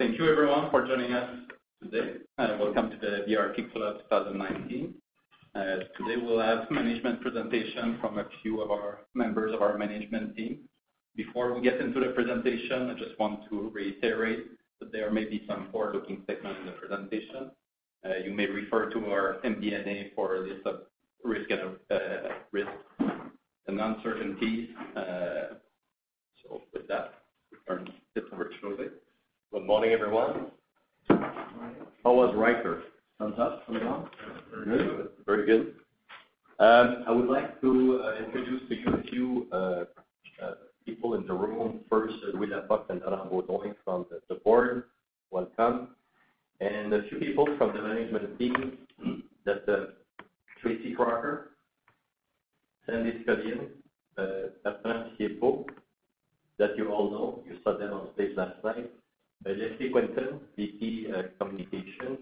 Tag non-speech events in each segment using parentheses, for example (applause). Thank you everyone for joining us today. Welcome to the BRP Kickoff 2019. Today we'll have management presentation from a few of our members of our management team. Before we get into the presentation, I just want to reiterate that there may be some forward-looking statements in the presentation. You may refer to our MD&A for the risks and uncertainties. With that, we turn it over to José. Good morning, everyone. Good morning. How was Ryker? Thumbs up, thumbs down? Very good. Very good. I would like to introduce a few people in the room. First, we have Buck and Alain Baudoin from the board. Welcome. A few people from the management team, that is Tracy Crocker, Sandy Scullion, Bertrand Thiébaut, that you all know. You saw them on stage last night. Leslie Quinton, VP, Communication.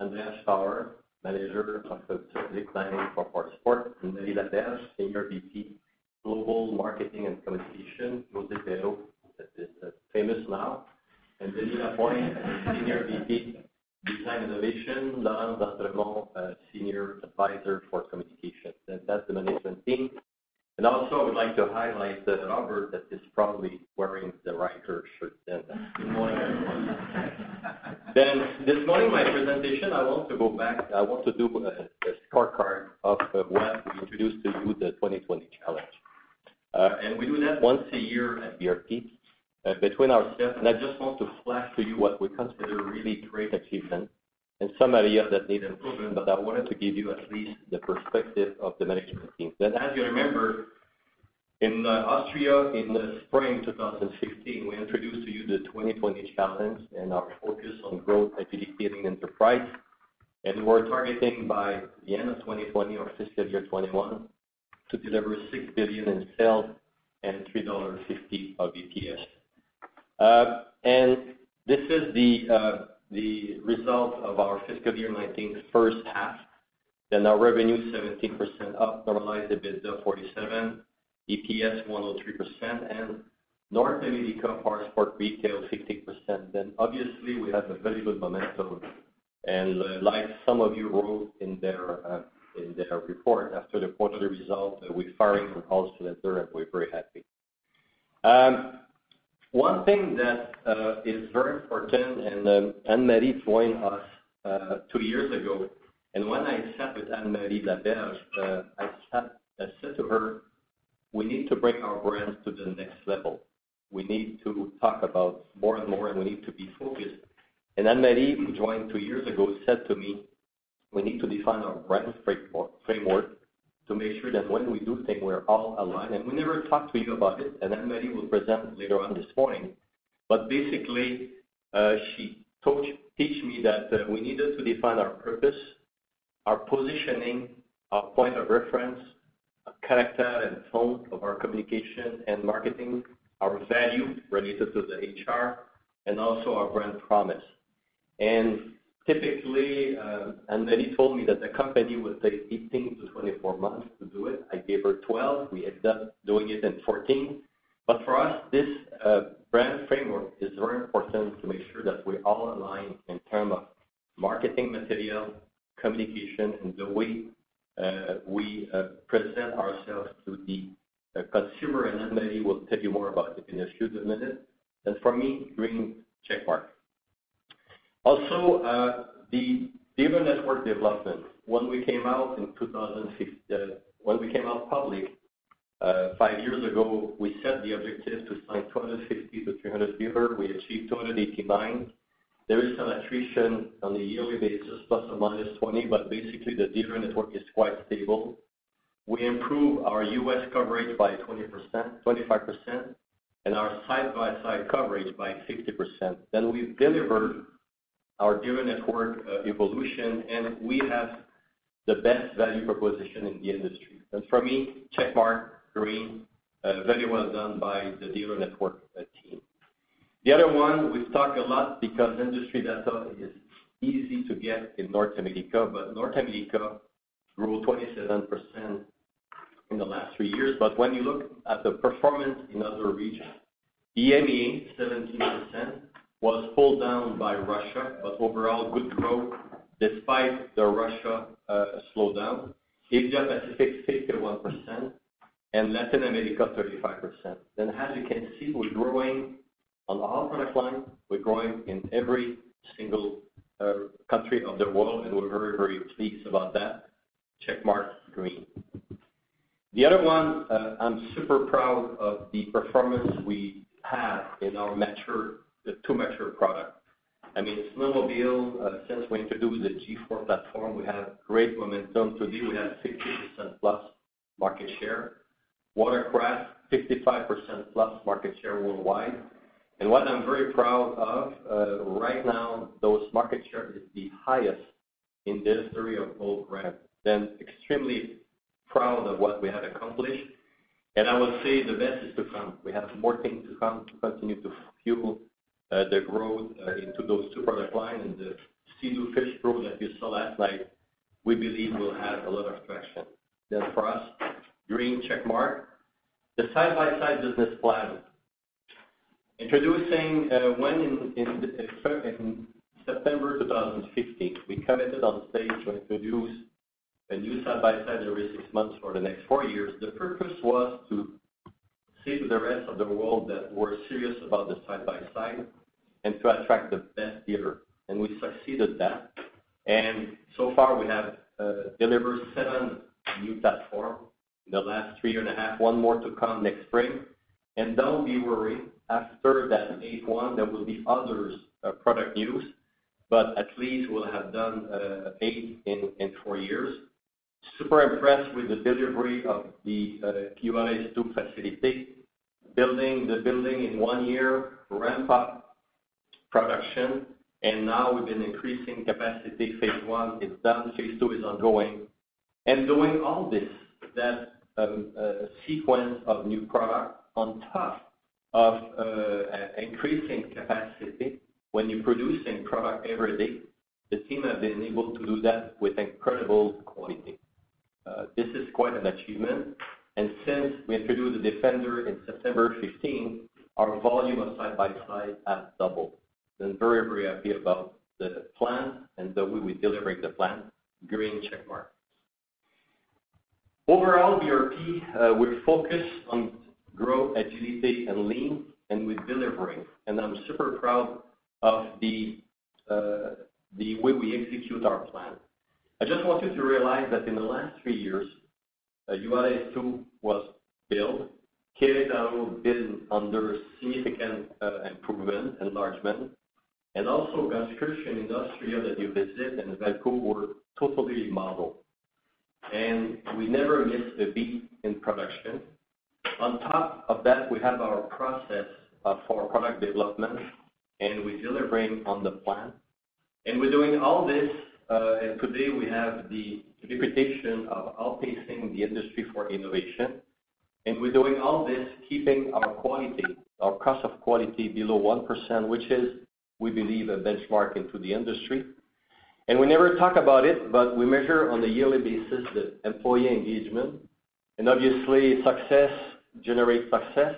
Andreas Bauer, Manager of Strategic Planning for Powersport. Anne-Marie LaBerge, Senior VP, Global Marketing and Communication. Josée Perreault, that is famous now. Denys Lapointe, Senior VP, Design Innovation. Laurence D'Entremont, Senior Advisor for Communication. That is the management team. Also I would like to highlight Robert, that is probably wearing the Ryker shirt then. This morning, my presentation, I want to do a scorecard of when we introduced to you the 2020 challenge. We do that once a year at BRP, between ourselves. I just want to flash to you what we consider really great achievement and some areas that need improvement, but I wanted to give you at least the perspective of the management team. As you remember, in Austria in the spring 2016, we introduced to you the 2020 challenge and our focus on growth, profitability and enterprise. We're targeting by the end of 2020 or fiscal year 2021, to deliver 6 billion in sales and 3.50 dollars of EPS. This is the result of our fiscal year 2019 first half. Our revenue 17% up, normalized EBITDA 47%, EPS 103% and North America Powersport retail 15%. Obviously we have a very good momentum and like some of you wrote in the report after the quarterly result, we're firing on all cylinders and we're very happy. One thing that is very important Anne-Marie joined us two years ago, and when I sat with Anne-Marie LaBerge, I said to her, "We need to bring our brand to the next level. We need to talk about more and more, and we need to be focused." Anne-Marie, who joined two years ago, said to me, "We need to define our brand framework to make sure that when we do things, we're all aligned." We never talked to you about it, and Anne-Marie will present later on this morning. Basically, she taught me that we needed to define our purpose, our positioning, our point of reference, a character and tone of our communication and marketing, our value related to the HR, and also our brand promise. Typically, Anne-Marie told me that the company would take 18-24 months to do it. I gave her 12. We ended up doing it in 14. For us, this brand framework is very important to make sure that we're all aligned in terms of marketing material, communication, and the way we present ourselves to the consumer. Anne-Marie will tell you more about it in a few minutes. For me, green check mark. Also, the dealer network development. When we came out public five years ago, we set the objective to sign 250-300 dealers. We achieved 289. There is some attrition on a yearly basis, ±20, but basically the dealer network is quite stable. We improve our U.S. coverage by 25%, and our side-by-side coverage by 60%. We've delivered our dealer network evolution, and we have the best value proposition in the industry. For me, check mark, green, very well done by the dealer network team. The other one, we've talked a lot because industry data is easy to get in North America, but North America grew 27% in the last three years. When you look at the performance in other regions, EMEA, 17%, was pulled down by Russia, but overall, good growth despite the Russia slowdown. Asia Pacific, 51%, and Latin America, 35%. As you can see, we're growing on the top line. We're growing in every single country of the world, and we're very pleased about that. Check mark green. The other one, I'm super proud of the performance we have in our two mature products. Snowmobile, since we introduced the G4 platform, we have great momentum. Today we have 60% plus market share. Watercraft, 55% plus market share worldwide. What I'm very proud of, right now, those market share is the highest in the history of both brands. Extremely proud of what we have accomplished. I will say the best is to come. We have more things to come to continue to fuel the growth into those two product lines and the Sea-Doo Fish Pro that you saw last night, we believe will have a lot of traction. For us, green check mark. The side-by-side business plan. Introducing when in September 2015, we committed on stage to introduce a new side-by-side every six months for the next four years. The purpose was to say to the rest of the world that we're serious about the side-by-side and to attract the best dealer, and we succeeded that. So far, we have delivered seven new platforms in the last three and a half. One more to come next spring. Don't be worried, after that eighth one, there will be other product news, but at least we'll have done eight in four years. Super impressed with the delivery of the Juárez 2 facility. Building the building in one year, ramp up production, and now we've been increasing capacity. Phase 1 is done, phase 2 is ongoing. Doing all this, that sequence of new product on top of increasing capacity. When you're producing product every day, the team have been able to do that with incredible quality. This is quite an achievement. Since we introduced the Defender in September 2015, our volume of side-by-side has doubled. Very, very happy about the plan and the way we deliver the plan. Green check mark. Overall, BRP, we focus on growth, agility, and lean, and we're delivering, and I'm super proud of the way we execute our plan. I just want you to realize that in the last three years, Juárez 2 was built, Québec been under significant improvement, enlargement, and also (inaudible) that you visit in Mexico were totally modeled. We never missed a beat in production. On top of that, we have our process for product development, and we're delivering on the plan. We're doing all this, and today we have the reputation of outpacing the industry for innovation, and we're doing all this, keeping our quality, our cost of quality below 1%, which is, we believe, a benchmark into the industry. We never talk about it, but we measure on a yearly basis the employee engagement, and obviously success generates success.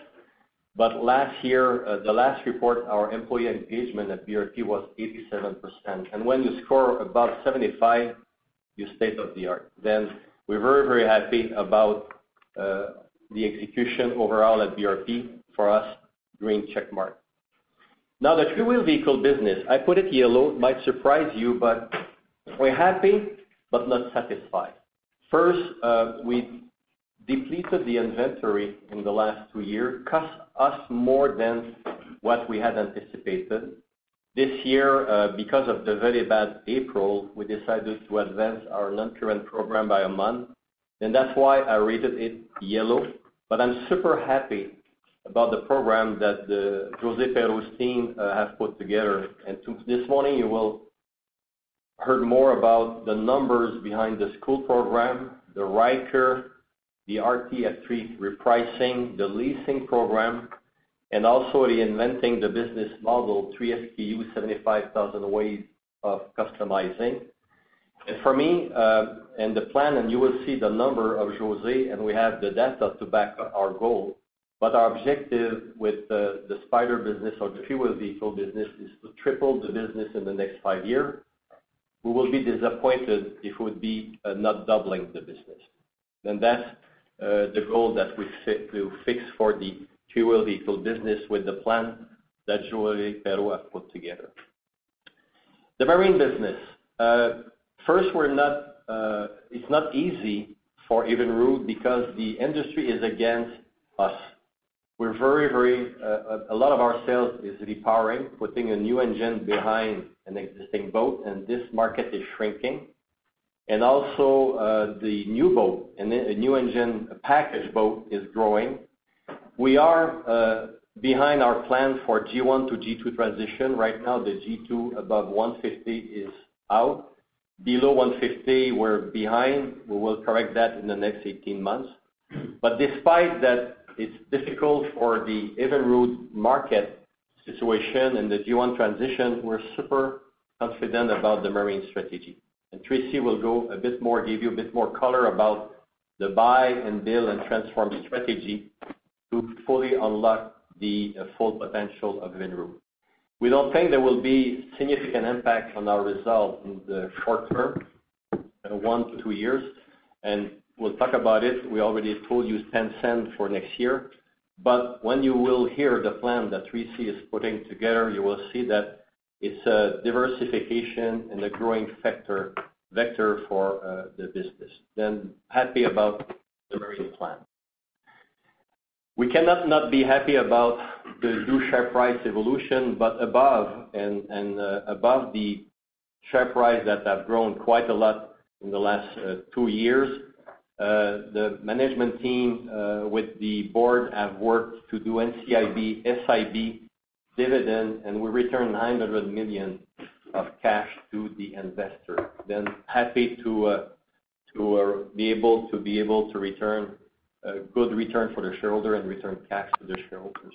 Last year, the last report, our employee engagement at BRP was 87%. When you score above 75, you're state of the art. We are very, very happy about the execution overall at BRP. For us, green check mark. The three-wheel vehicle business. I put it yellow. It might surprise you, but we are happy, but not satisfied. First, we depleted the inventory in the last two years. Cost us more than what we had anticipated. This year, because of the very bad April, we decided to advance our non-current program by a month, and that is why I rated it yellow. I am super happy about the program that the Josée Perreault's team have put together. This morning you will hear more about the numbers behind the school program, the Ryker, the RT F3 repricing, the leasing program, and also reinventing the business model, 3 SKU, 75,000 ways of customizing. You will see the number of Josée and we have the data to back our goal. Our objective with the Spyder business or the three-wheel vehicle business is to triple the business in the next five years. We will be disappointed if we will not be doubling the business. That is the goal that we will fix for the three-wheel vehicle business with the plan that Josée Perreault put together. The marine business. First, it is not easy for Evinrude because the industry is against us. A lot of our sales is repowering, putting a new engine behind an existing boat, and this market is shrinking. The new boat, a new engine package boat is growing. We are behind our plan for G1 to G2 transition. Right now, the G2 above 150 is out. Below 150, we are behind. We will correct that in the next 18 months. Despite that, it is difficult for the Evinrude market situation and the G1 transition, we are super confident about the marine strategy. Tracy will give you a bit more color about the buy and build and transform strategy to fully unlock the full potential of Evinrude. We do not think there will be significant impact on our result in the short term, one to two years, and we will talk about it. We already told you 0.10 for next year. When you will hear the plan that Tracy is putting together, you will see that it is a diversification and a growing factor vector for the business. Happy about the marine plan. We cannot not be happy about the new share price evolution. Above the share price that has grown quite a lot in the last two years, the management team with the board have worked to do NCIB, SIB dividend and we returned 900 million of cash to the investor. Happy to be able to return good return for the shareholder and return cash to the shareholders.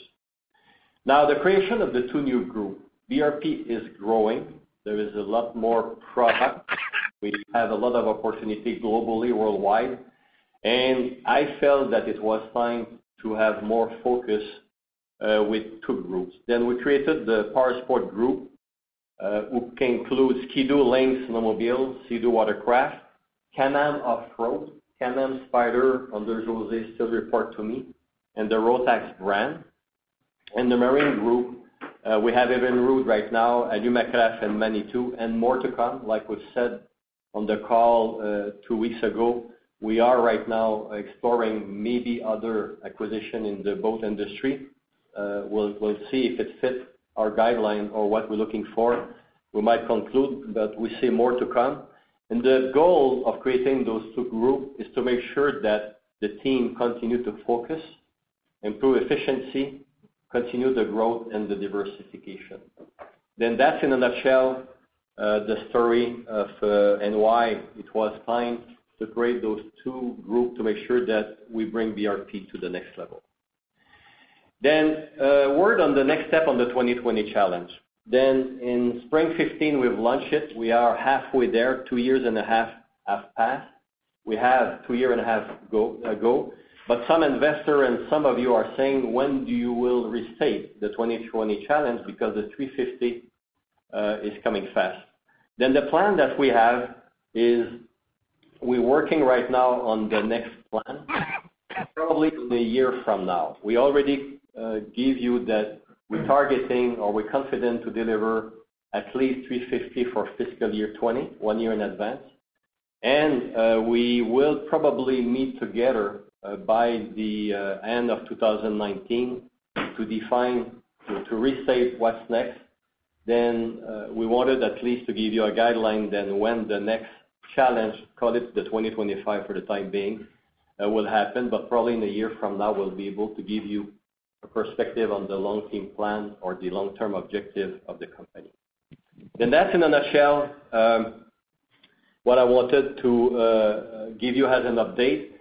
The creation of the two new groups. BRP is growing. There is a lot more product. We have a lot of opportunity globally, worldwide. I felt that it was time to have more focus with two groups. We created the Powersport group, which includes Ski-Doo, Lynx Snowmobiles, Sea-Doo Watercraft, Can-Am Off-Road, Can-Am Spyder under Josée, still report to me, and the Rotax brand. In the Marine Group, we have Evinrude right now, Alumacraft and Manitou and more to come. We said on the call two weeks ago, we are right now exploring maybe other acquisition in the boat industry. We'll see if it fits our guideline or what we're looking for. We might conclude that we see more to come. The goal of creating those two groups is to make sure that the team continue to focus, improve efficiency, continue the growth and the diversification. That's in a nutshell, the story of and why it was time to create those two groups to make sure that we bring BRP to the next level. A word on the next step on the 2020 challenge. In spring 2015, we've launched it. We are halfway there, two years and a half have passed. We have two years and a half ago. Some investor and some of you are saying, "When do you will restate the 2020 challenge because the 3.50 million is coming fast?" The plan that we have is we're working right now on the next plan, probably in one year from now. We already give you that we're targeting or we're confident to deliver at least 3.50 million for fiscal year 2020, one year in advance. We will probably meet together by the end of 2019 to define, to restate what's next. We wanted at least to give you a guideline when the next challenge, call it the 2025 for the time being, will happen. Probably in one year from now, we'll be able to give you a perspective on the long-term plan or the long-term objective of the company. That's in a nutshell what I wanted to give you as an update.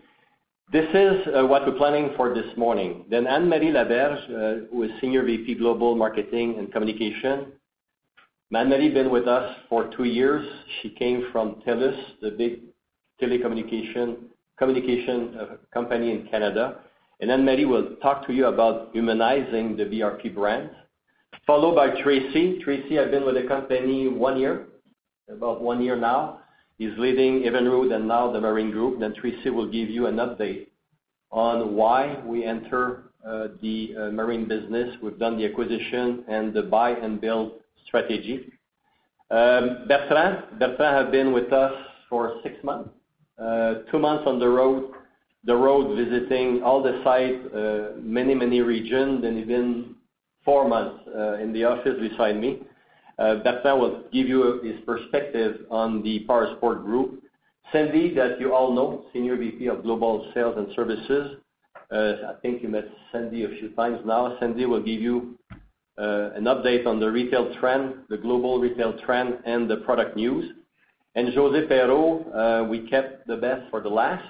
This is what we're planning for this morning. Anne-Marie LaBerge, who is Senior VP, Global Marketing and Communication. Anne-Marie has been with us for two years. She came from TELUS, the big telecommunication company in Canada. Anne-Marie will talk to you about humanizing the BRP brand. Followed by Tracy. Tracy has been with the company one year, about one year now. He's leading Evinrude and now the Marine Group. Tracy will give you an update on why we enter the marine business. We've done the acquisition and the buy and build strategy. Bertrand. Bertrand has been with us for six months. Two months on the road, visiting all the sites, many, many regions, and even four months in the office beside me. Bertrand will give you his perspective on the Powersports Group. Sandy, that you all know, Senior VP of Global Sales and Services. I think you met Sandy a few times now. Sandy will give you an update on the retail trend, the global retail trend and the product news. Josée Perreault, we kept the best for the last.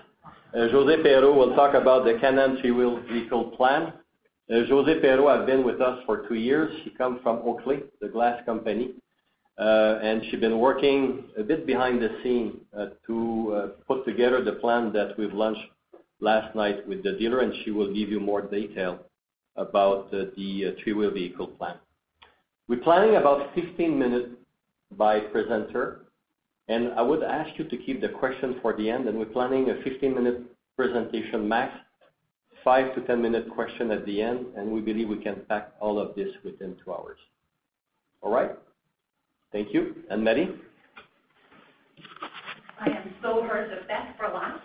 Josée Perreault will talk about the Can-Am three-wheel vehicle plan. Josée Perreault has been with us for two years. She comes from Oakley, the glass company. She'd been working a bit behind the scene to put together the plan that we've launched last night with the dealer, and she will give you more detail about the three-wheel vehicle plan. We are planning about 15 minutes by presenter. I would ask you to keep the question for the end. We are planning a 15-minute presentation max, 5-10 minute question at the end, and we believe we can pack all of this within 2 hours. All right. Thank you. Anne-Marie? I am so heard the best for last.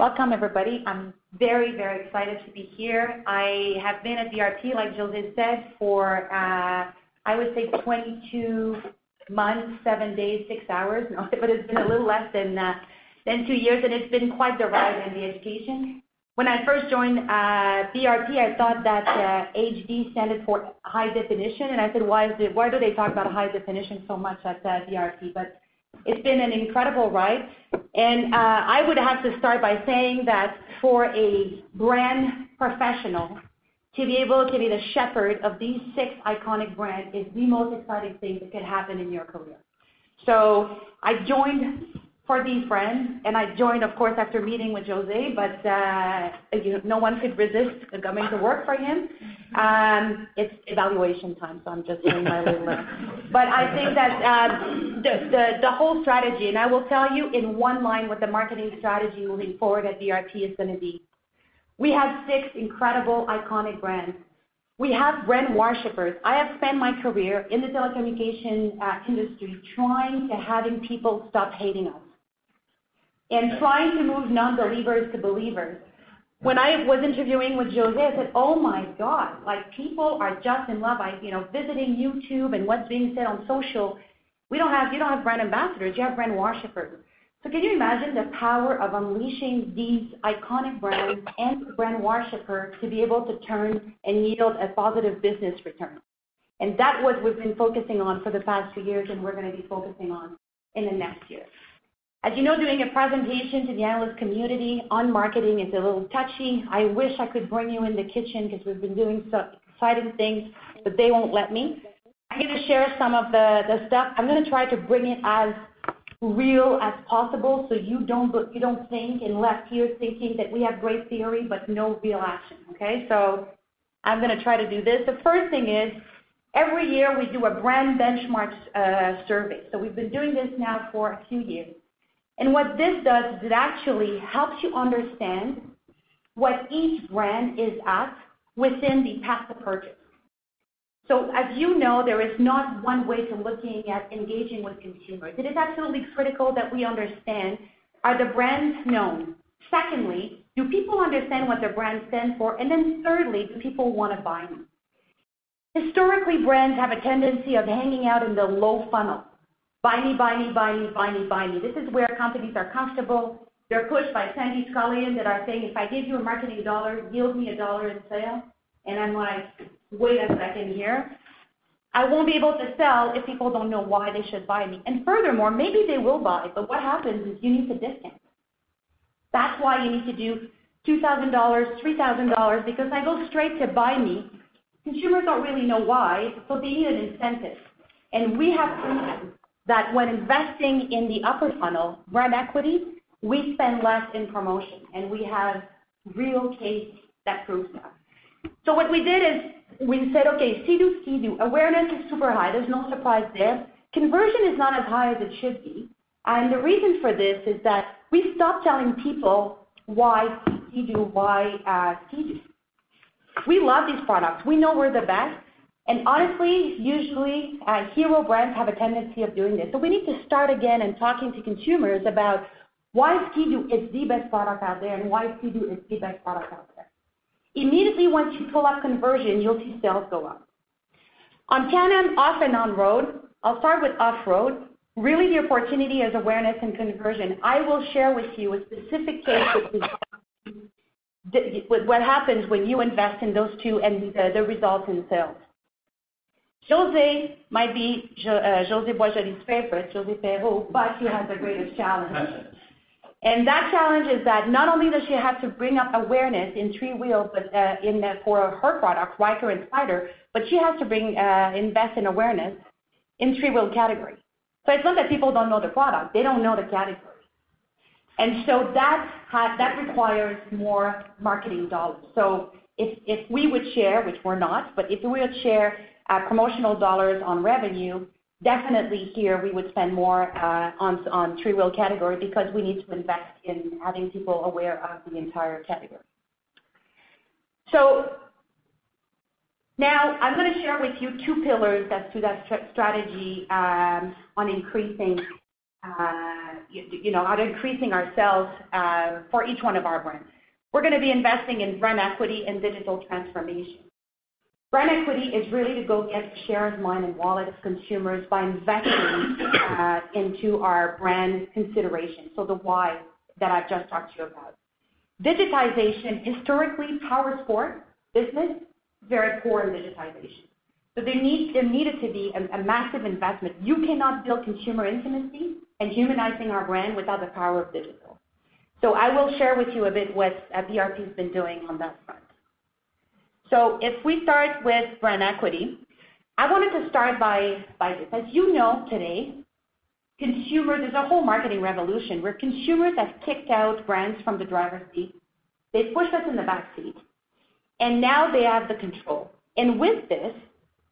Welcome, everybody. I am very excited to be here. I have been at BRP, like Josée said, for I would say 22 months, seven days, six hours. No, it's been a little less than 2 years, and it's been quite the ride and the education. When I first joined BRP, I thought that HD stood for high definition, and I said, "Why do they talk about high definition so much at BRP?" It's been an incredible ride. I would have to start by saying that for a brand professional, to be able to be the shepherd of these 6 iconic brands is the most exciting thing that could happen in your career. I joined for these friends, and I joined, of course, after meeting with Josée, but no one could resist coming to work for him. It's evaluation time. I am just doing my little work. I think that the whole strategy, and I will tell you in one line what the marketing strategy moving forward at BRP is going to be. We have 6 incredible iconic brands. We have brand worshipers. I have spent my career in the telecommunication industry trying to having people stop hating us and trying to move non-believers to believers. When I was interviewing with Josée, I said, "Oh my God, like people are just in love." Visiting YouTube and what's being said on social, you do not have brand ambassadors. You have brand worshipers. Can you imagine the power of unleashing these iconic brands and the brand worshiper to be able to turn and yield a positive business return? That what we have been focusing on for the past few years, and we are going to be focusing on in the next year. As you know, doing a presentation to the analyst community on marketing is a little touchy. I wish I could bring you in the kitchen because we have been doing some exciting things, but they will not let me. I am going to share some of the stuff. I am going to try to bring it as real as possible, so you do not leave here thinking that we have great theory but no real action. Okay? I am going to try to do this. The first thing is, every year we do a brand benchmarks survey. We have been doing this now for a few years, and what this does is it actually helps you understand what each brand is at within the path to purchase. As you know, there is not one way to looking at engaging with consumers. It is absolutely critical that we understand, are the brands known? Secondly, do people understand what the brand stands for? Thirdly, do people want to buy me? Historically, brands have a tendency of hanging out in the low funnel. Buy me. This is where companies are comfortable. They're pushed by Sandy Scullion that are saying, "If I give you a marketing CAD 1, yield me a CAD 1 in sale." I'm like, "Wait a second here. I won't be able to sell if people don't know why they should buy me." Furthermore, maybe they will buy, but what happens is you need to discount. That's why you need to do 2,000 dollars, 3,000 dollars because I go straight to buy me. Consumers don't really know why, so they need an incentive. We have proven that when investing in the upper funnel, brand equity, we spend less in promotion, we have real case that proves that. What we did is we said, okay, Sea-Doo, awareness is super high. There's no surprise there. Conversion is not as high as it should be, the reason for this is that we stopped telling people why Sea-Doo, why Sea-Doo. We love these products. We know we're the best, honestly, usually, hero brands have a tendency of doing this. We need to start again in talking to consumers about why Sea-Doo is the best product out there, why Sea-Doo is the best product out there. Immediately once you pull up conversion, you'll see sales go up. On Can-Am off and on-road, I'll start with off-road. The opportunity is awareness and conversion. I will share with you a specific case of what happens when you invest in those two and the results in sales. Jose might be, José Boisjoli's favorite, Josée Perreault, but he has the greatest challenge. That challenge is that not only does she have to bring up awareness in three-wheels, but for her product, Ryker and Spyder, but she has to invest in awareness in three-wheel category. It's not that people don't know the product. They don't know the category. That requires more marketing CAD. If we would share, which we're not, but if we would share promotional CAD on revenue, definitely here we would spend more on three-wheel category because we need to invest in having people aware of the entire category. Now I'm going to share with you two pillars that do that strategy on increasing our sales for each one of our brands. We're going to be investing in brand equity and digital transformation. Brand equity is really to go get share of mind and wallet of consumers by investing into our brand consideration, the why that I've just talked to you about. Digitization, historically, powersport business, very poor in digitization. There needed to be a massive investment. You cannot build consumer intimacy and humanizing our brand without the power of digital. I will share with you a bit what BRP's been doing on that front. If we start with brand equity, I wanted to start by this. As you know, today, there's a whole marketing revolution where consumers have kicked out brands from the driver's seat. They've pushed us in the back seat, now they have the control. With this,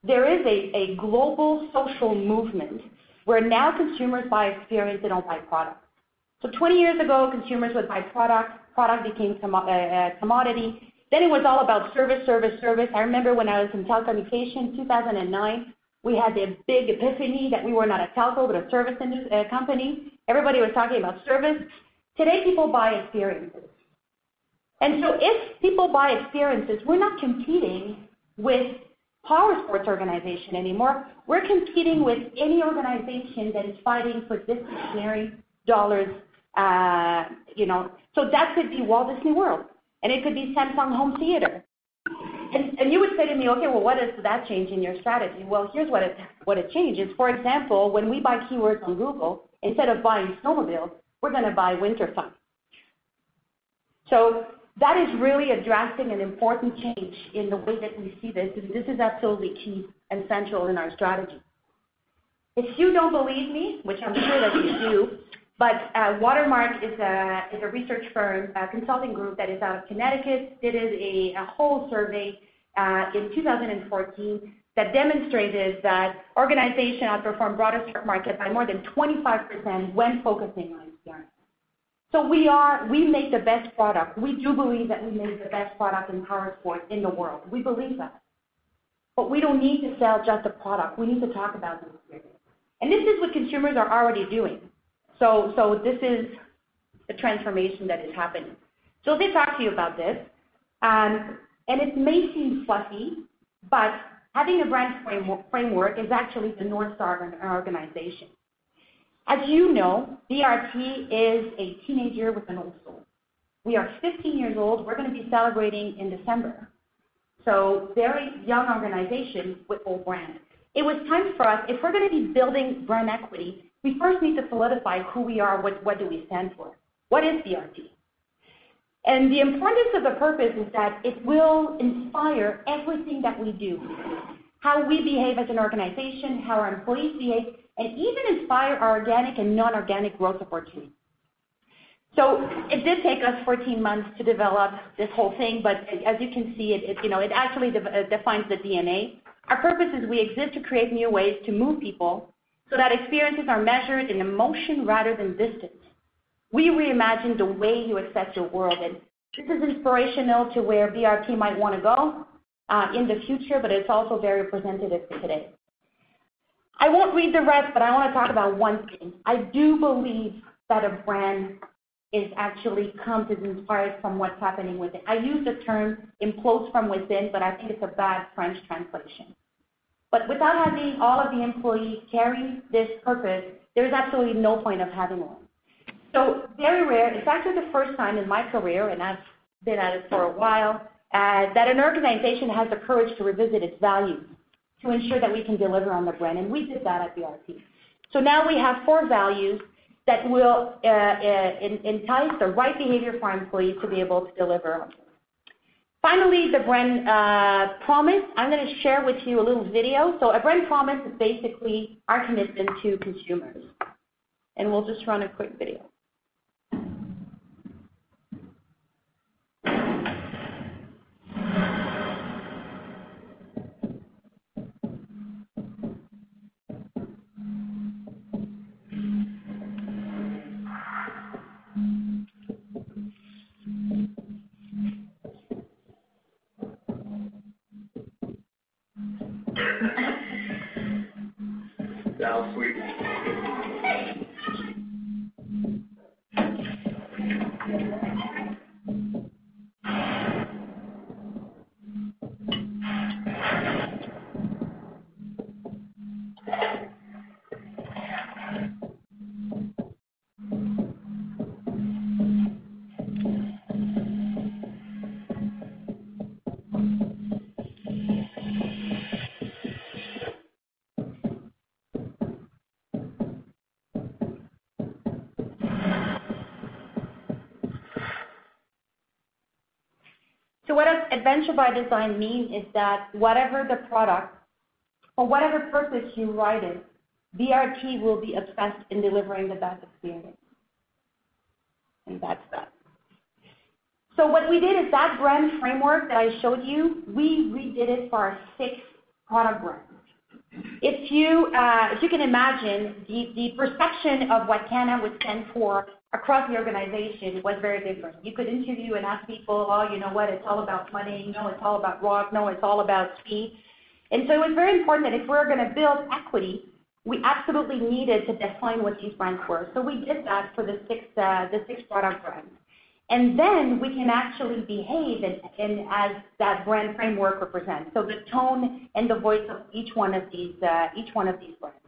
there is a global social movement where now consumers buy experience, they don't buy product. 20 years ago, consumers would buy product became commodity. Then it was all about service. I remember when I was in telecommunication, 2009, we had a big epiphany that we were not a telco, but a service company. Everybody was talking about service. Today, people buy experiences. If people buy experiences, we're not competing with powersports organization anymore. We're competing with any organization that is fighting for discretionary dollars. That could be Walt Disney World, and it could be Samsung Home Theater. You would say to me, "Okay, what does that change in your strategy?" Here's what it changes. For example, when we buy keywords on Google, instead of buying snowmobiles, we're going to buy winter fun. That is really addressing an important change in the way that we see this, because this is absolutely key and central in our strategy. If you don't believe me, which I'm sure that you do, Watermark is a research firm, a consulting group that is out of Connecticut, did a whole survey in 2014 that demonstrated that organizations outperform broader markets by more than 25% when focusing on experience. We make the best product. We do believe that we make the best product in powersport in the world. We believe that. We don't need to sell just a product. We need to talk about the experience. This is what consumers are already doing. This is the transformation that is happening. They talk to you about this, it may seem fluffy, but having a brand framework is actually the North Star in our organization. As you know, BRP is a teenager with an old soul. We are 15 years old. We're going to be celebrating in December. Very young organization with old brand. It was time for us, if we're going to be building brand equity, we first need to solidify who we are, what do we stand for? What is BRP? The importance of a purpose is that it will inspire everything that we do, how we behave as an organization, how our employees behave, and even inspire our organic and non-organic growth opportunities. It did take us 14 months to develop this whole thing, but as you can see, it actually defines the DNA. Our purpose is we exist to create new ways to move people so that experiences are measured in emotion rather than distance. We reimagine the way you accept your world. This is inspirational to where BRP might want to go, in the future, but it's also very presentative for today. I won't read the rest, but I want to talk about one thing. I do believe that a brand is actually comes as inspired from what's happening with it. I use the term in quotes from within, but I think it's a bad French translation. Without having all of the employees carrying this purpose, there's absolutely no point of having one. Very rare. It's actually the first time in my career, and I've been at it for a while, that an organization has the courage to revisit its value to ensure that we can deliver on the brand. We did that at BRP. Now we have four values that will entice the right behavior for our employees to be able to deliver on. Finally, the brand promise. I'm going to share with you a little video. A brand promise is basically our commitment to consumers. We'll just run a quick video. What does adventure by design mean is that whatever the product or whatever purpose you ride it, BRP will be obsessed in delivering the best experience. That's that. What we did is that brand framework that I showed you, we redid it for our six product brands. As you can imagine, the perception of what Can-Am would stand for across the organization was very different. You could interview and ask people, "Oh, you know what? It's all about money. No, it's all about rock. No, it's all about speed." It was very important that if we're going to build equity, we absolutely needed to define what these brands were. We did that for the six product brands. We can actually behave and as that brand framework represents. The tone and the voice of each one of these brands.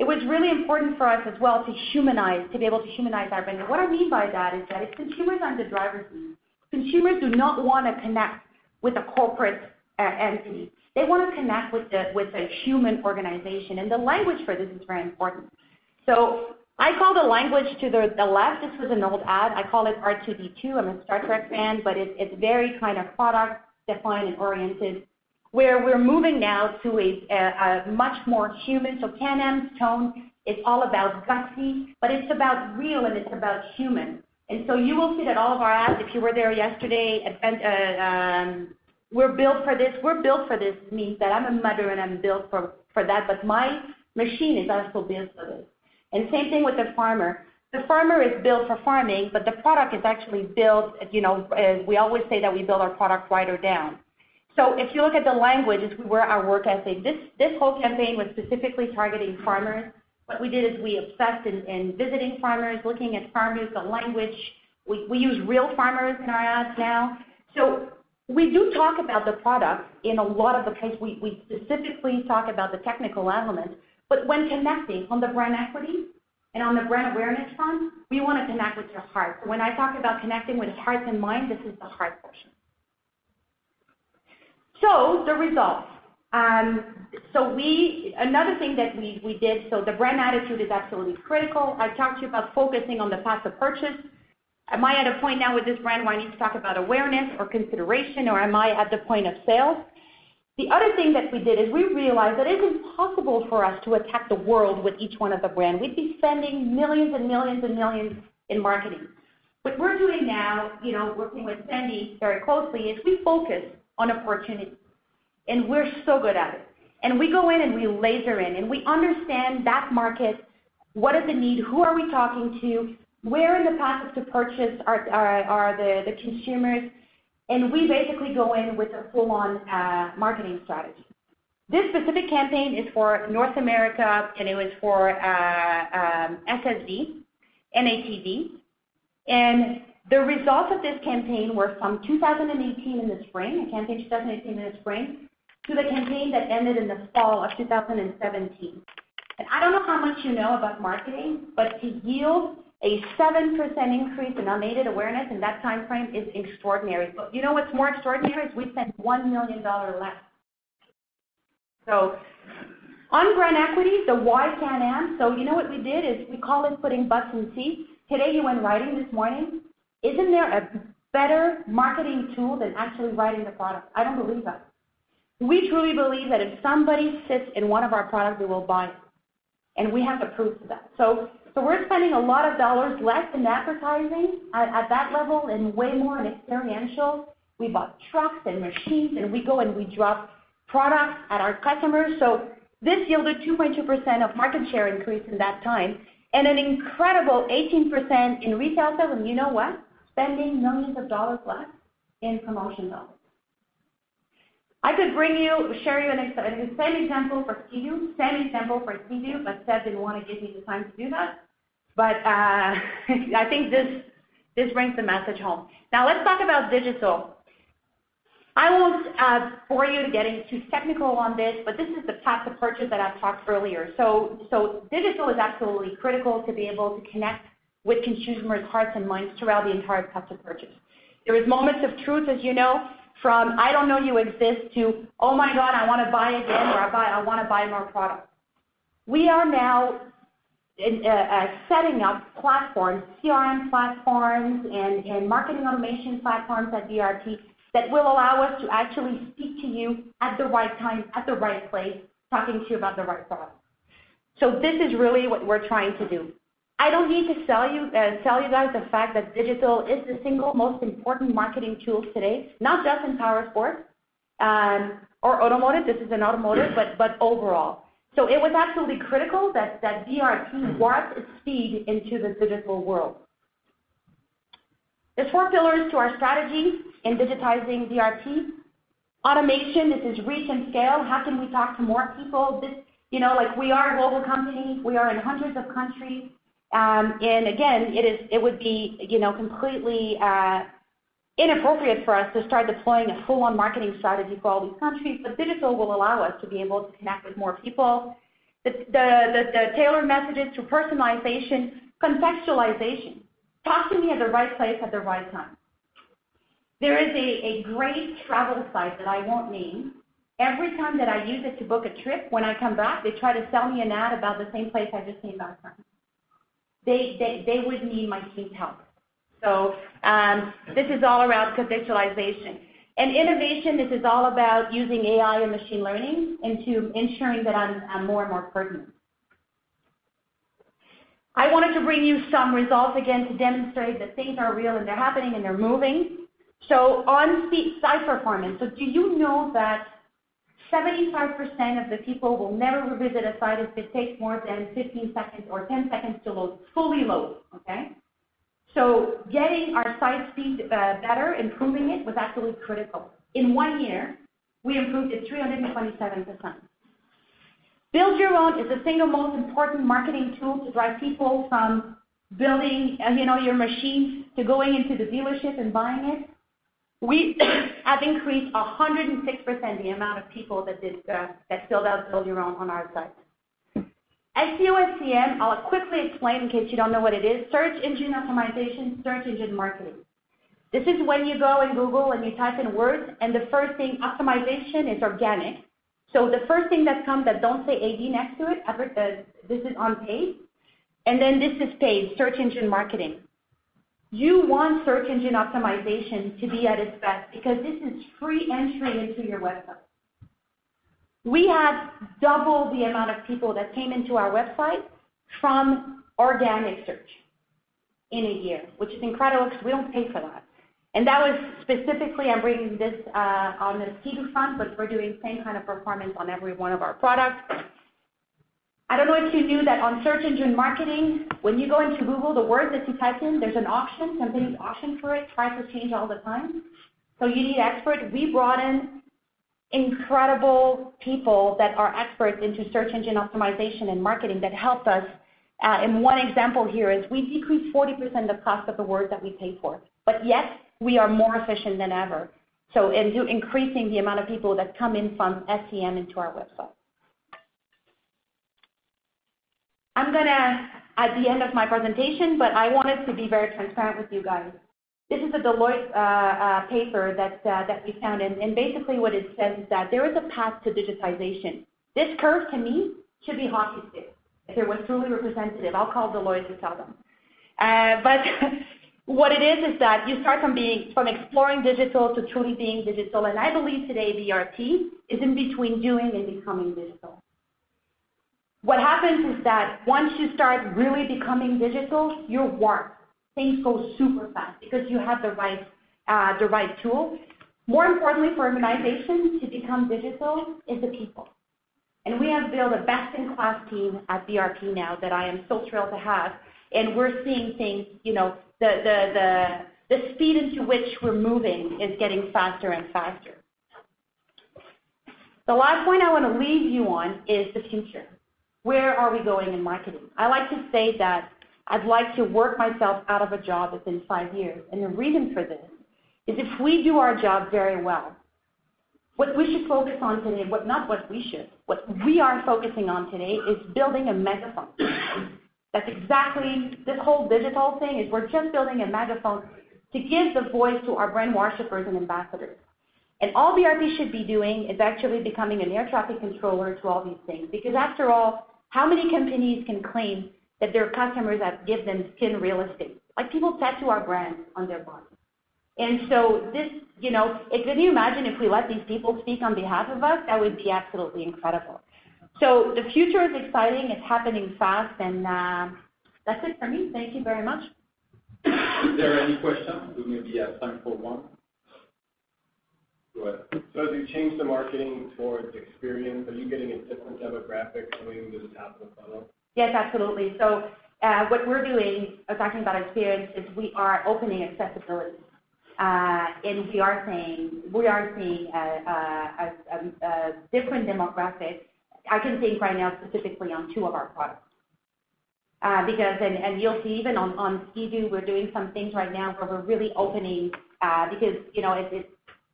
It was really important for us as well to be able to humanize our brand. What I mean by that is that if consumers are in the driver's seat, consumers do not want to connect with a corporate entity. They want to connect with a human organization, and the language for this is very important. I call the language to the left, this was an old ad, I call it R2-D2. I'm a Star Trek fan, it's very product defined and oriented. Where we're moving now to a much more human, Can-Am's tone, it's all about gutsy, but it's about real, and it's about human. You will see that all of our ads, if you were there yesterday, we're built for this. We're built for this means that I'm a mother and I'm built for that, but my machine is also built for this. Same thing with the farmer. The farmer is built for farming, but the product is actually built. We always say that we build our product rider down. If you look at the language, as we were at our [work essay], this whole campaign was specifically targeting farmers. What we did is we obsessed in visiting farmers, looking at farm use, the language. We use real farmers in our ads now. We do talk about the product in a lot of the case. We specifically talk about the technical elements. When connecting on the brand equity and on the brand awareness front, we want to connect with your heart. When I talk about connecting with hearts and minds, this is the heart portion. The results. Another thing that we did, the brand attitude is absolutely critical. I talked to you about focusing on the path of purchase. Am I at a point now with this brand where I need to talk about awareness or consideration, or am I at the point of sale? The other thing that we did is we realized that it's impossible for us to attack the world with each one of the brand. We'd be spending millions and millions and millions in marketing. What we're doing now, working with Sandy very closely, is we focus on opportunity. We're so good at it. We go in, we laser in, we understand that market. What is the need? Who are we talking to? Where in the path of the purchase are the consumers? We basically go in with a full-on marketing strategy. This specific campaign is for North America, it was for SSV, ATV. The results of this campaign were from 2018 in the spring, a campaign 2018 in the spring, to the campaign that ended in the fall of 2017. I don't know how much you know about marketing, to yield a 7% increase in unaided awareness in that timeframe is extraordinary. You know what's more extraordinary is we spent 1 million dollars less. On brand equity, the Why Can-Am, you know what we did is, we call it putting butts in seats. Today you went riding this morning. Isn't there a better marketing tool than actually riding the product? I don't believe that. We truly believe that if somebody sits in one of our products, they will buy it, we have the proof of that. We're spending a lot of dollars less in advertising at that level and way more in experiential. We bought trucks and machines, we go and we drop products at our customers. This yielded 2.2% of market share increase in that time and an incredible 18% in retail sales. You know what? Spending millions of dollars less in promotion dollars. I could share an example for Sea-Doo, Seth didn't want to give me the time to do that. I think this brings the message home. Now let's talk about digital. I won't bore you getting too technical on this is the path to purchase that I've talked earlier. Digital is absolutely critical to be able to connect with consumers' hearts and minds throughout the entire path to purchase. There is moments of truth, as you know, from, "I don't know you exist" to, "Oh my God, I want to buy again," or, "I want to buy more product." We are now setting up platforms, CRM platforms and marketing automation platforms at BRP that will allow us to actually speak to you at the right time, at the right place, talking to you about the right product. This is really what we're trying to do. I don't need to sell you guys the fact that digital is the single most important marketing tool today, not just in powersport, or automotive, this is an automotive, overall. It was absolutely critical that BRP warp speed into the digital world. There's four pillars to our strategy in digitizing BRP. Automation, this is reach and scale. How can we talk to more people? We are a global company. We are in hundreds of countries. Again, it would be completely inappropriate for us to start deploying a full-on marketing strategy for all these countries, digital will allow us to be able to connect with more people. The tailored messages to personalization, contextualization. Talk to me at the right place at the right time. There is a great travel site that I won't name. Every time that I use it to book a trip, when I come back, they try to sell me an ad about the same place I just came back from. They would need my team's help. This is all around contextualization. Innovation, this is all about using AI and machine learning into ensuring that I'm more and more pertinent. I wanted to bring you some results again to demonstrate that things are real, and they're happening, and they're moving. On site performance, so do you know that 75% of the people will never revisit a site if it takes more than 15 seconds or 10 seconds to fully load? Okay. Getting our site speed better, improving it, was absolutely critical. In one year, we improved it 327%. Build Your Own is the single most important marketing tool to drive people from building your machines to going into the dealership and buying it. We have increased 106% the amount of people that filled out Build Your Own on our site. SEO/SEM, I'll quickly explain in case you don't know what it is, search engine optimization, search engine marketing. This is when you go in Google, and you type in words, and the first thing, optimization is organic. The first thing that comes that doesn't say Ad next to it, this is unpaid, then this is paid, search engine marketing. You want search engine optimization to be at its best because this is free entry into your website. We had double the amount of people that came into our website from organic search in a year, which is incredible because we don't pay for that. That was specifically, I'm bringing this on the Sea-Doo front, but we're doing the same kind of performance on every one of our products. I don't know if you knew that on search engine marketing, when you go into Google, the words that you type in, there's an auction, companies auction for it, prices change all the time. You need experts. We brought in incredible people that are experts into search engine optimization and marketing that help us. One example here is we decreased 40% the cost of the words that we pay for. Yet, we are more efficient than ever. Increasing the amount of people that come in from SEM into our website. I'm going to at the end of my presentation, I wanted to be very transparent with you guys. This is a Deloitte paper that we found, basically what it says is that there is a path to digitization. This curve, to me, should be a hockey stick if it was truly representative. I'll call Deloitte to tell them. What it is that you start from exploring digital to truly being digital, I believe today BRP is in between doing and becoming digital. What happens is that once you start really becoming digital, you're warped. Things go super fast because you have the right tools. We have built a best-in-class team at BRP now that I am so thrilled to have. We're seeing things, the speed into which we're moving is getting faster and faster. The last point I want to leave you on is the future. Where are we going in marketing? I like to say that I'd like to work myself out of a job within five years, and the reason for this is if we do our job very well, what we are focusing on today is building a megaphone. That's exactly this whole digital thing is we're just building a megaphone to give the voice to our brand worshipers and ambassadors. All BRP should be doing is actually becoming an air traffic controller to all these things. After all, how many companies can claim that their customers have given them skin real estate? Like people tattoo our brands on their bodies. Could you imagine if we let these people speak on behalf of us? That would be absolutely incredible. The future is exciting. It's happening fast. That's it for me. Thank you very much. Is there any question? We maybe have time for one. Go ahead. As you change the marketing towards experience, are you getting a different demographic coming to the top of the funnel? Yes, absolutely. What we're doing, talking about experience is we are opening accessibility. We are seeing a different demographic, I can think right now specifically on two of our products. You'll see even on Sea-Doo, we're doing some things right now where we're really opening, because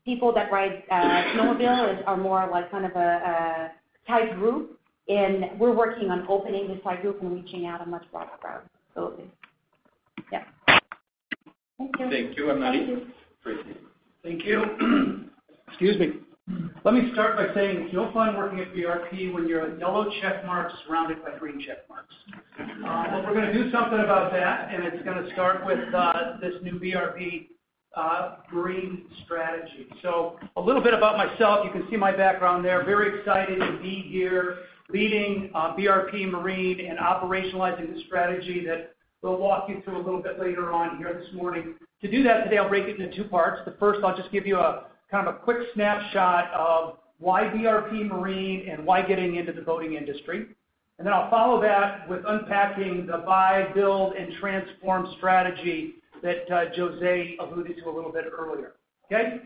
people that ride snowmobiles are more like kind of a tight group, and we're working on opening this tight group and reaching out a much broader crowd. Absolutely. Yeah. Thank you. Thank you, Anne-Marie. Thank you. Appreciate it. Thank you. Excuse me. Let me start by saying it's no fun working at BRP when you're a yellow check mark surrounded by green check marks. We're going to do something about that, and it's going to start with this new BRP Green strategy. A little bit about myself. You can see my background there. Very excited to be here leading BRP Marine and operationalizing the strategy that we'll walk you through a little bit later on here this morning. To do that today, I'll break it into two parts. The first, I'll just give you a kind of a quick snapshot of why BRP Marine and why getting into the boating industry. Then I'll follow that with unpacking the buy, build and transform strategy that José alluded to a little bit earlier. Okay?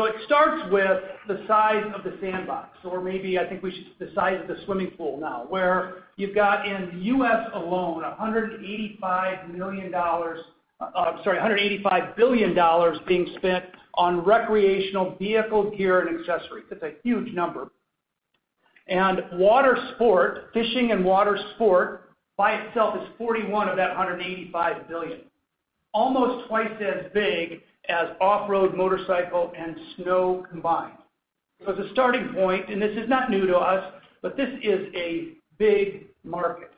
It starts with the size of the sandbox, or maybe I think the size of the swimming pool now, where you've got in the U.S. alone, 185 billion dollars being spent on recreational vehicles, gear, and accessories. It's a huge number. Water sport, fishing and water sport by itself is 41 billion of that 185 billion. Almost twice as big as off-road motorcycle and snow combined. It's a starting point, this is not new to us, but this is a big market.